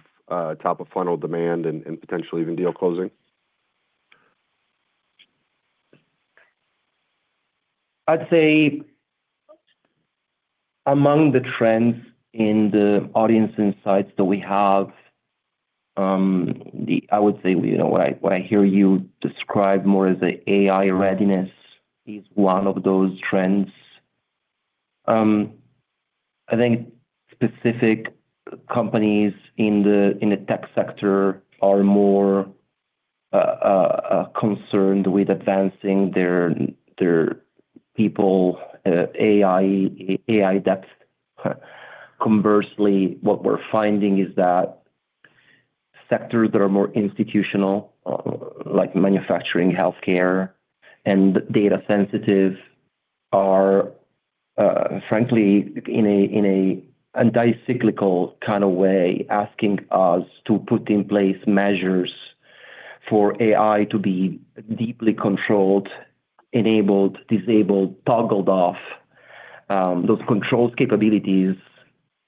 top-of-funnel demand and potentially even deal closing? I'd say among the trends in the audience insights that we have, I would say, you know, what I, what I hear you describe more as an AI readiness is one of those trends. I think specific companies in the tech sector are more concerned with advancing their people, AI depth. Conversely, what we're finding is that sectors that are more institutional, like manufacturing, healthcare, and data sensitive, frankly, in an anti-cyclical kind of way, asking us to put in place measures for AI to be deeply controlled, enabled, disabled, toggled off. Those controls capabilities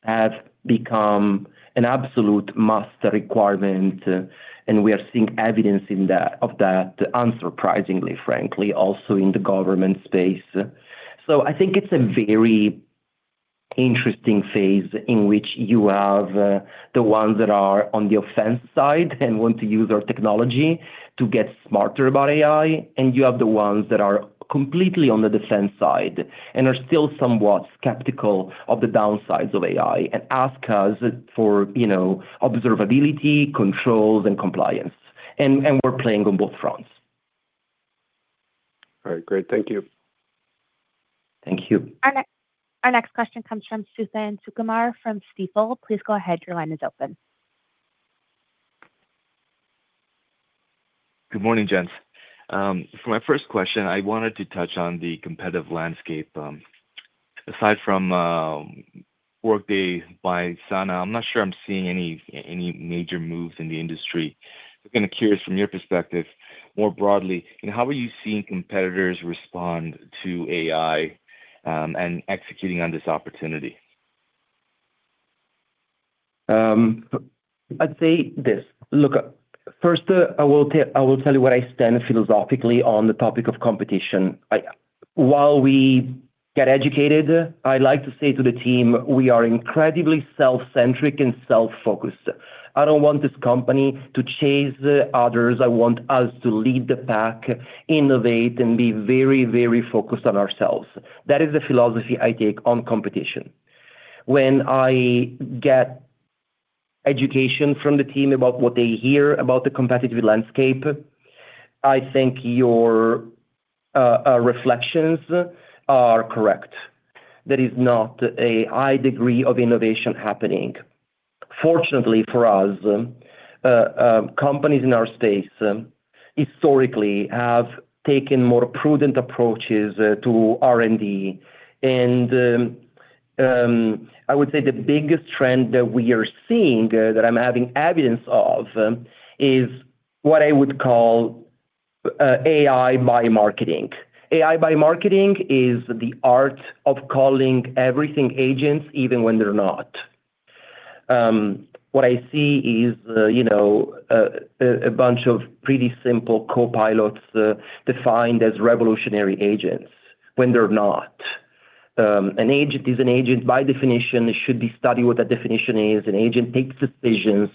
have become an absolute must requirement, and we are seeing evidence of that, unsurprisingly, frankly, also in the government space. I think it's a very interesting phase in which you have, the ones that are on the offense side and want to use our technology to get smarter about AI, and you have the ones that are completely on the defense side and are still somewhat skeptical of the downsides of AI, and ask us for, you know, observability, controls, and compliance. We're playing on both fronts. All right, great. Thank you. Thank you. Our next question comes from Suthan Sukumar from Stifel. Please go ahead, your line is open. Good morning, gents. For my first question, I wanted to touch on the competitive landscape. Aside from Workday by Sana, I'm not sure I'm seeing any major moves in the industry. I'm kind of curious, from your perspective, more broadly, you know, how are you seeing competitors respond to AI, and executing on this opportunity? I'd say this. Look, first, I will tell you where I stand philosophically on the topic of competition. While we get educated, I like to say to the team, we are incredibly self-centric and self-focused. I don't want this company to chase the others. I want us to lead the pack, innovate, and be very, very focused on ourselves. That is the philosophy I take on competition. When I get education from the team about what they hear about the competitive landscape, I think your reflections are correct. There is not a high degree of innovation happening. Fortunately for us, companies in our space historically have taken more prudent approaches to R&D. I would say the biggest trend that we are seeing, that I'm having evidence of, is what I would call AI by marketing. AI by marketing is the art of calling everything agents, even when they're not. What I see is, you know, a bunch of pretty simple copilots, defined as revolutionary agents when they're not. An agent is an agent by definition, it should be studied what that definition is. An agent takes decisions,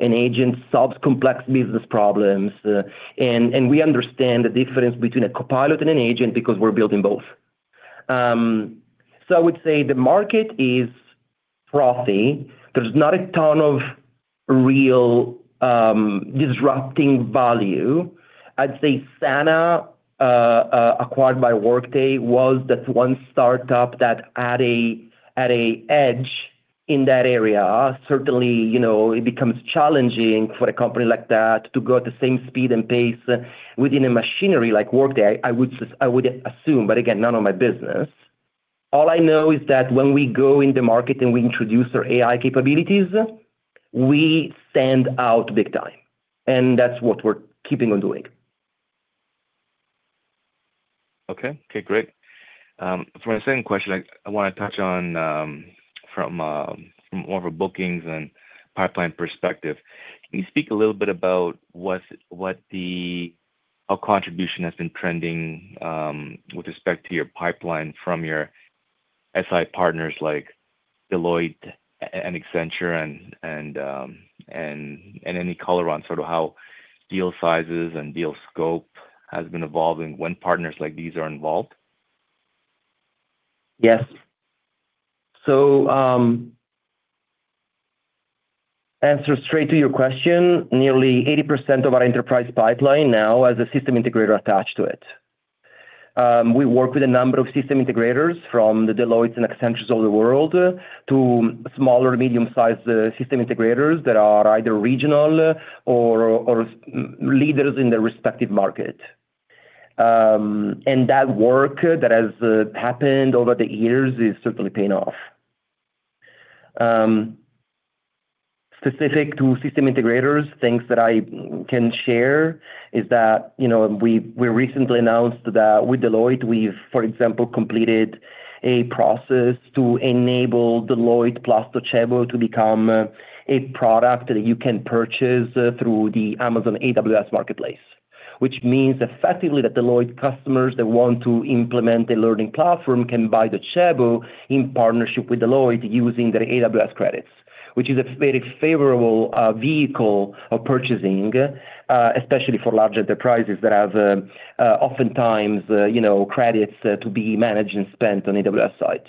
an agent solves complex business problems, and we understand the difference between a copilot and an agent because we're building both. I would say the market is frothy. There's not a ton of real disrupting value. I'd say Sana, acquired by Workday, was that one start-up that had a edge in that area. Certainly, you know, it becomes challenging for a company like that to go at the same speed and pace within a machinery like Workday. I would assume. Again, none of my business. All I know is that when we go in the market and we introduce our AI capabilities, we stand out big time. That's what we're keeping on doing. Okay. Okay, great. For my second question, I wanna touch on from more of a bookings and pipeline perspective. Can you speak a little bit about what the how contribution has been trending with respect to your pipeline from your SI partners like Deloitte and Accenture and any color on sort of how deal sizes and deal scope has been evolving when partners like these are involved? Yes. Answer straight to your question, nearly 80% of our enterprise pipeline now has a system integrator attached to it. We work with a number of system integrators, from the Deloittes and Accentures of the world, to smaller, medium-sized system integrators that are either regional or leaders in their respective market. That work that has happened over the years is certainly paying off. Specific to system integrators, things that I can share is that, you know, we recently announced that with Deloitte, we've, for example, completed a process to enable Deloitte plus Docebo to become a product that you can purchase through the Amazon AWS Marketplace. Effectively, that Deloitte customers that want to implement a learning platform can buy Docebo in partnership with Deloitte using their AWS credits, which is a very favorable vehicle of purchasing, especially for large enterprises that have oftentimes, you know, credits to be managed and spent on AWS site.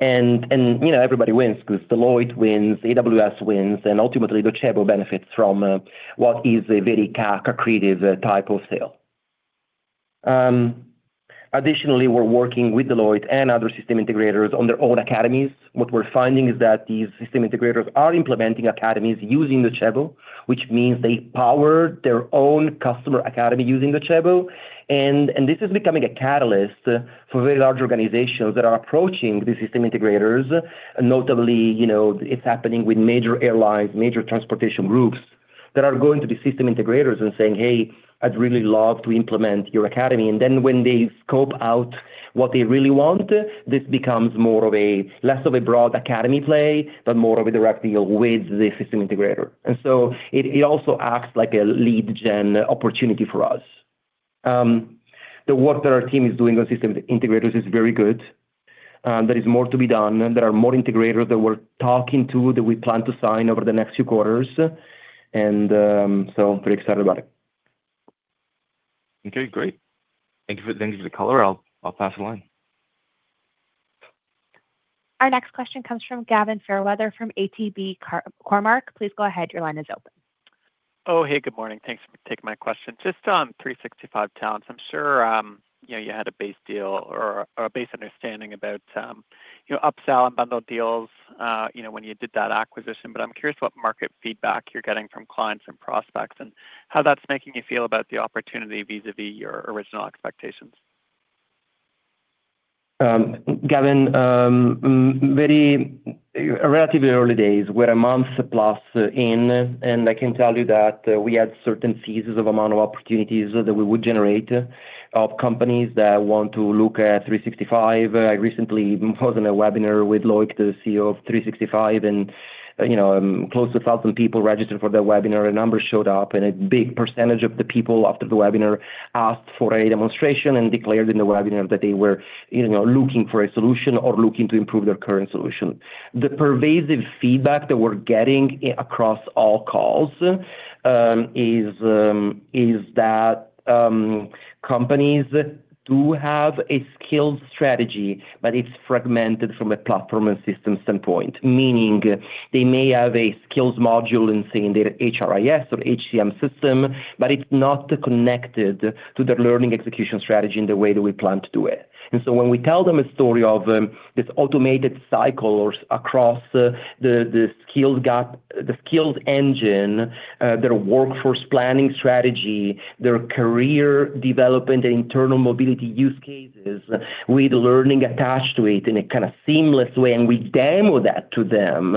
You know, everybody wins because Deloitte wins, AWS wins, and ultimately, Docebo benefits from what is a very accretive type of sale. Additionally, we're working with Deloitte and other system integrators on their own academies. What we're finding is that these system integrators are implementing academies using Docebo, which means they power their own customer academy using Docebo. This is becoming a catalyst for very large organizations that are approaching the system integrators. Notably, you know, it's happening with major airlines, major transportation groups that are going to the system integrators and saying, "Hey, I'd really love to implement your academy." Then when they scope out what they really want, this becomes less of a broad academy play, but more of a direct deal with the system integrator. So it also acts like a lead gen opportunity for us. The work that our team is doing on system integrators is very good, and there is more to be done, and there are more integrators that we're talking to, that we plan to sign over the next few quarters, and so pretty excited about it. Okay, great. Thank you for the color. I'll pass the line. Our next question comes from Gavin Fairweather from ATB Cormark. Please go ahead, your line is open. Hey, good morning. Thanks for taking my question. Just on 365Talents, I'm sure, you know, you had a base deal or a base understanding about your upsell and bundle deals, you know, when you did that acquisition. I'm curious what market feedback you're getting from clients and prospects, and how that's making you feel about the opportunity vis-a-vis your original expectations. Gavin, very relatively early days, we're a month plus in, and I can tell you that we had certain phases of amount of opportunities that we would generate of companies that want to look at 365. I recently was on a webinar with Loïc, the CEO of 365, and close to 1,000 people registered for the webinar, a number showed up, and a big percentage of the people after the webinar asked for a demonstration and declared in the webinar that they were looking for a solution or looking to improve their current solution. The pervasive feedback that we're getting across all calls, is that companies do have a skills strategy, but it's fragmented from a platform and system standpoint, meaning they may have a skills module and seeing their HRIS or HCM system, but it's not connected to their learning execution strategy in the way that we plan to do it. When we tell them a story of this automated cycle or across the skills gap, the skills engine, their workforce planning strategy, their career development and internal mobility use cases, with learning attached to it in a kind of seamless way, and we demo that to them,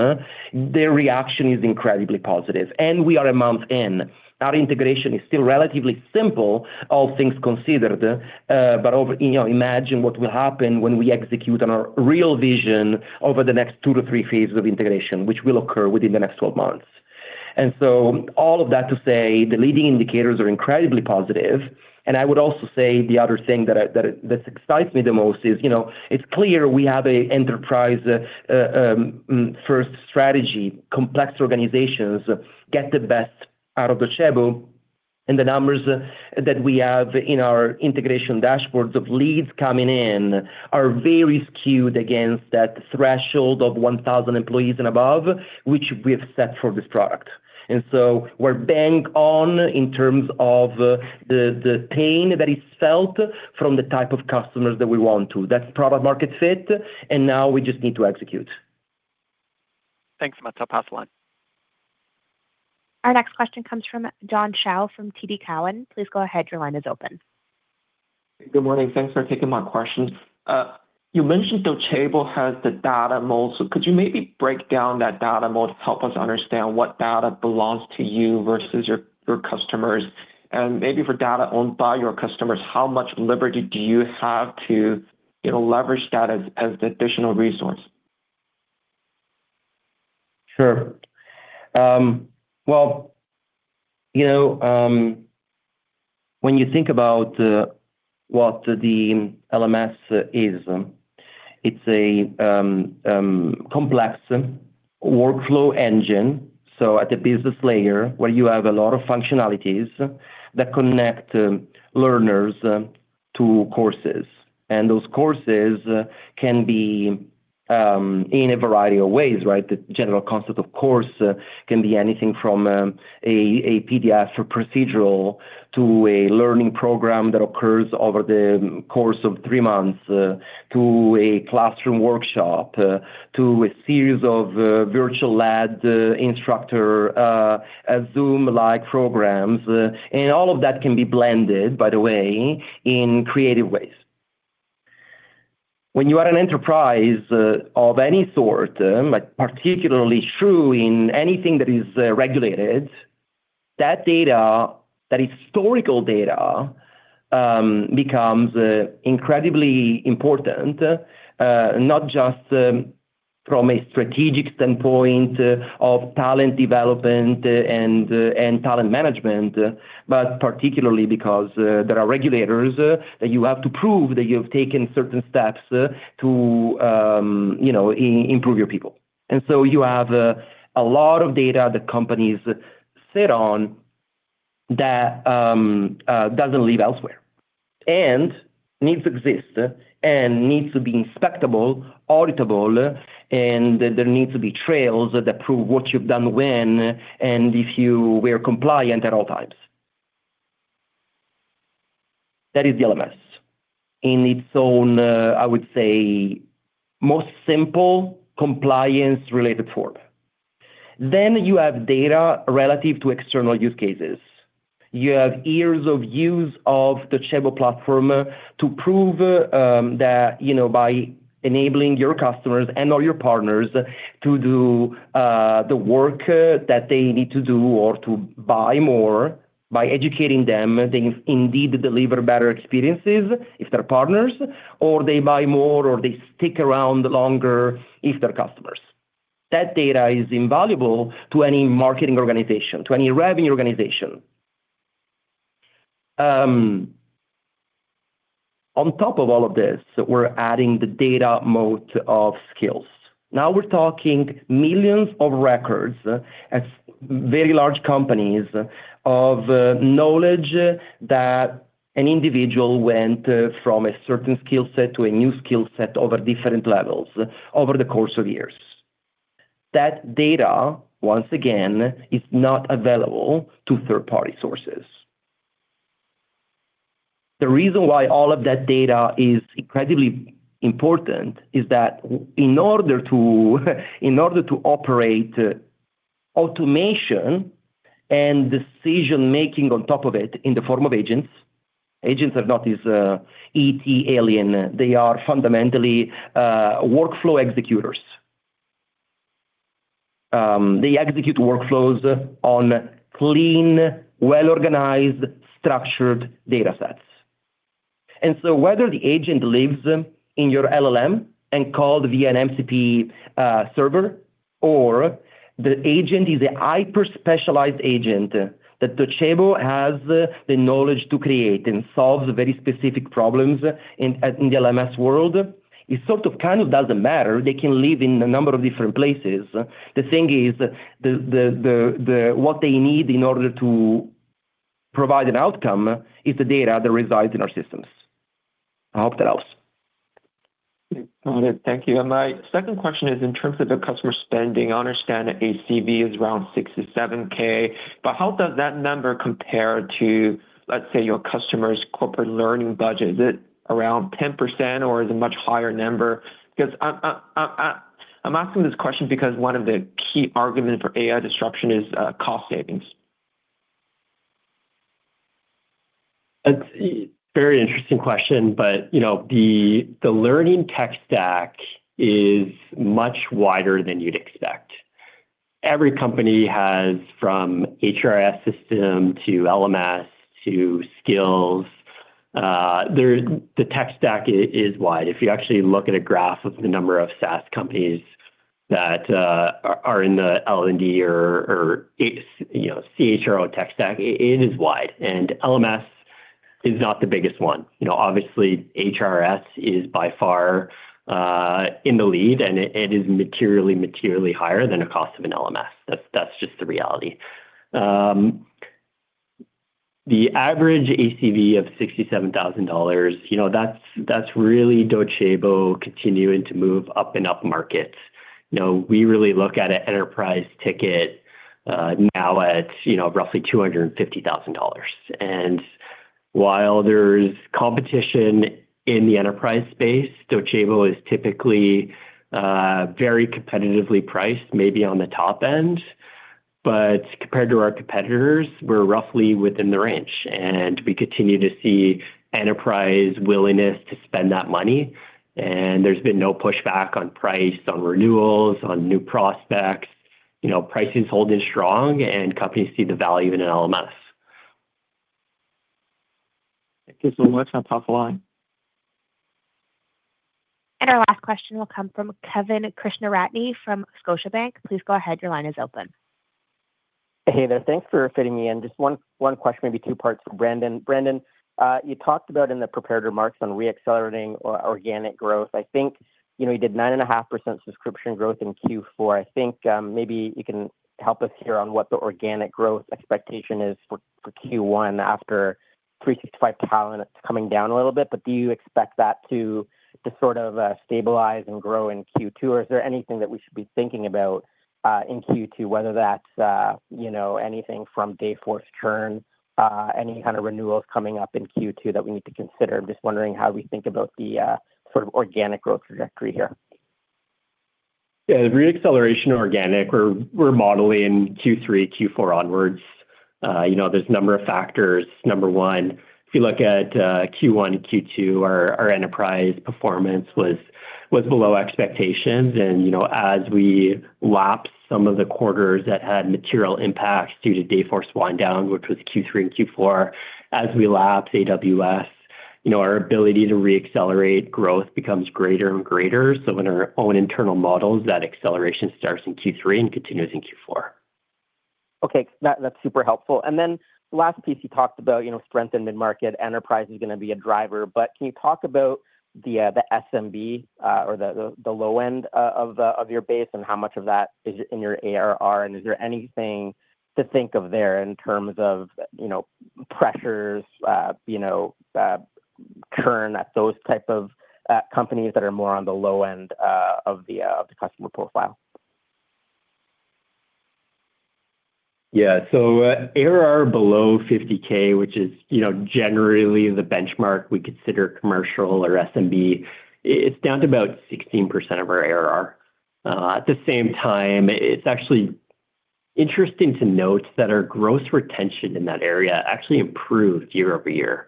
their reaction is incredibly positive. We are a month in. Our integration is still relatively simple, all things considered, but over... You know, imagine what will happen when we execute on our real vision over the next two to three phases of integration, which will occur within the next 12 months. All of that to say, the leading indicators are incredibly positive. I would also say the other thing that excites me the most is, you know, it's clear we have a enterprise first strategy. Complex organizations get the best out of Docebo, and the numbers that we have in our integration dashboards of leads coming in are very skewed against that threshold of 1,000 employees and above, which we have set for this product. So we're bang on in terms of the pain that is felt from the type of customers that we want to. That's product market fit, and now we just need to execute. Thanks so much. I'll pass the line. Our next question comes from John Shao from TD Cowen. Please go ahead, your line is open. Good morning. Thanks for taking my question. You mentioned Docebo has the data mode, could you maybe break down that data mode to help us understand what data belongs to you versus your customers? Maybe for data owned by your customers, how much liberty do you have to, you know, leverage that as additional resource? Sure. Well, you know, when you think about what the LMS is, it's a complex workflow engine. At the business layer, where you have a lot of functionalities that connect learners to courses. Those courses can be in a variety of ways, right? The general concept, of course, can be anything from a PDF or procedural to a learning program that occurs over the course of three months, to a classroom workshop, to a series of virtual led, instructor, a Zoom-like programs. All of that can be blended, by the way, in creative ways. When you are an enterprise of any sort, but particularly true in anything that is regulated, that data, that historical data becomes incredibly important, not just from a strategic standpoint of talent development and talent management, but particularly because there are regulators that you have to prove that you've taken certain steps to, you know, improve your people. You have a lot of data that companies sit on that doesn't live elsewhere. Needs exist and needs to be inspectable, auditable, and there needs to be trails that prove what you've done when, and if you were compliant at all times. That is the LMS in its own, I would say most simple compliance-related form. You have data relative to external use cases. You have years of use of the Docebo platform to prove that, you know, by enabling your customers and/or your partners to do the work that they need to do or to buy more by educating them, they indeed deliver better experiences if they're partners, or they buy more, or they stick around longer if they're customers. That data is invaluable to any marketing organization, to any revenue organization. On top of all of this, we're adding the data moat of skills. Now we're talking millions of records, as very large companies, of knowledge that an individual went from a certain skill set to a new skill set over different levels over the course of years. That data, once again, is not available to third-party sources. The reason why all of that data is incredibly important is that in order to, in order to operate automation and decision-making on top of it in the form of agents are not this ET alien, they are fundamentally workflow executors. They execute workflows on clean, well-organized, structured data sets. Whether the agent lives in your LLM and called via an MCP server, or the agent is a hyper-specialized agent, that Docebo has the knowledge to create and solves very specific problems in the LMS world, it sort of kind of doesn't matter. They can live in a number of different places. The thing is, the what they need in order to provide an outcome is the data that resides in our systems. I hope that helps. Got it. Thank you. My second question is in terms of the customer spending, I understand ACV is around 6-7K, but how does that number compare to, let's say, your customer's corporate learning budget? Is it around 10% or is a much higher number? Because I'm asking this question because one of the key argument for AI disruption is cost savings. It's a very interesting question. You know, the learning tech stack is much wider than you'd expect. Every company has from HRIS system to LMS to skills, the tech stack is wide. If you actually look at a graph of the number of SaaS companies that are in the L&D or, you know, CHRO tech stack, it is wide, and LMS is not the biggest one. You know, obviously, HRIS is by far in the lead, and it is materially higher than the cost of an LMS. That's just the reality. The average ACV of $67,000, you know, that's really Docebo continuing to move up and up market. You know, we really look at an enterprise ticket now at, you know, roughly $250,000. While there's competition in the enterprise space, Docebo is typically very competitively priced, maybe on the top end. Compared to our competitors, we're roughly within the range. We continue to see enterprise willingness to spend that money. There's been no pushback on price, on renewals, on new prospects. You know, pricing is holding strong. Companies see the value in an LMS. Thank you so much. I'll pass the line. Our last question will come from Kevin Krishnaratne from Scotiabank. Please go ahead, your line is open. Hey there. Thanks for fitting me in. Just one question, maybe two parts for Brandon. Brandon, you talked about in the prepared remarks on reaccelerating organic growth. I think, you know, you did 9.5% subscription growth in Q4. I think, maybe you can help us here on what the organic growth expectation is for Q1 after 365Talents coming down a little bit, but do you expect that to sort of stabilize and grow in Q2? Is there anything that we should be thinking about in Q2, whether that's, you know, anything from Dayforce churn, any kind of renewals coming up in Q2 that we need to consider? I'm just wondering how we think about the sort of organic growth trajectory here. Yeah, the reacceleration organic, we're modeling Q3, Q4 onwards. You know, there's a number of factors. Number one, if you look at, Q1, Q2, our enterprise performance was below expectations. You know, as we lapse some of the quarters that had material impacts due to Dayforce wind down, which was Q3 and Q4, as we lapse AWS, you know, our ability to reaccelerate growth becomes greater and greater. In our own internal models, that acceleration starts in Q3 and continues in Q4. Okay, that's super helpful. The last piece you talked about, you know, strength in mid-market, enterprise is gonna be a driver, but can you talk about the SMB or the low end of your base, and how much of that is in your ARR? Is there anything to think of there in terms of, you know, pressures, you know, current, those type of companies that are more on the low end of the customer profile? ARR below 50K, which is, you know, generally the benchmark we consider commercial or SMB, it's down to about 16% of our ARR. At the same time, it's actually interesting to note that our growth retention in that area actually improved year-over-year.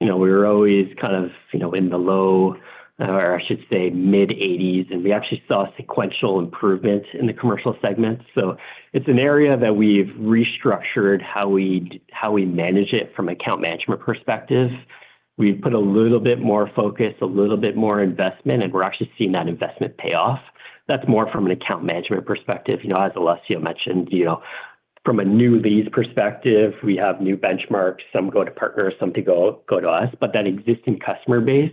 You know, we were always kind of, you know, in the low, or I should say, mid-80s, and we actually saw sequential improvement in the commercial segment. It's an area that we've restructured how we manage it from account management perspective. We've put a little bit more focus, a little bit more investment, and we're actually seeing that investment pay off. That's more from an account management perspective. You know, as Alessio mentioned, you know, from a new leads perspective, we have new benchmarks, some go to partners, some to go to us. That existing customer base,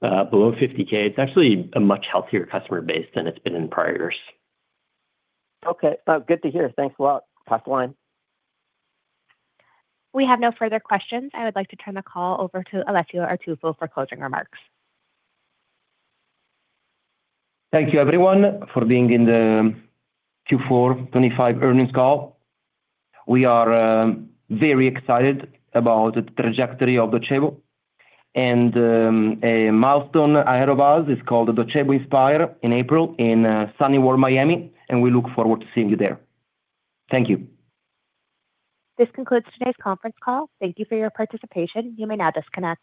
below $50K, it's actually a much healthier customer base than it's been in prior years. Okay. good to hear. Thanks a lot. Pass the line. We have no further questions. I would like to turn the call over to Alessio Artuffo for closing remarks. Thank you, everyone, for being in the Q4 25 earnings call. We are very excited about the trajectory of Docebo. A milestone ahead of us is called the Docebo Inspire in April in sunny, warm Miami, and we look forward to seeing you there. Thank you. This concludes today's conference call. Thank you for your participation. You may now disconnect.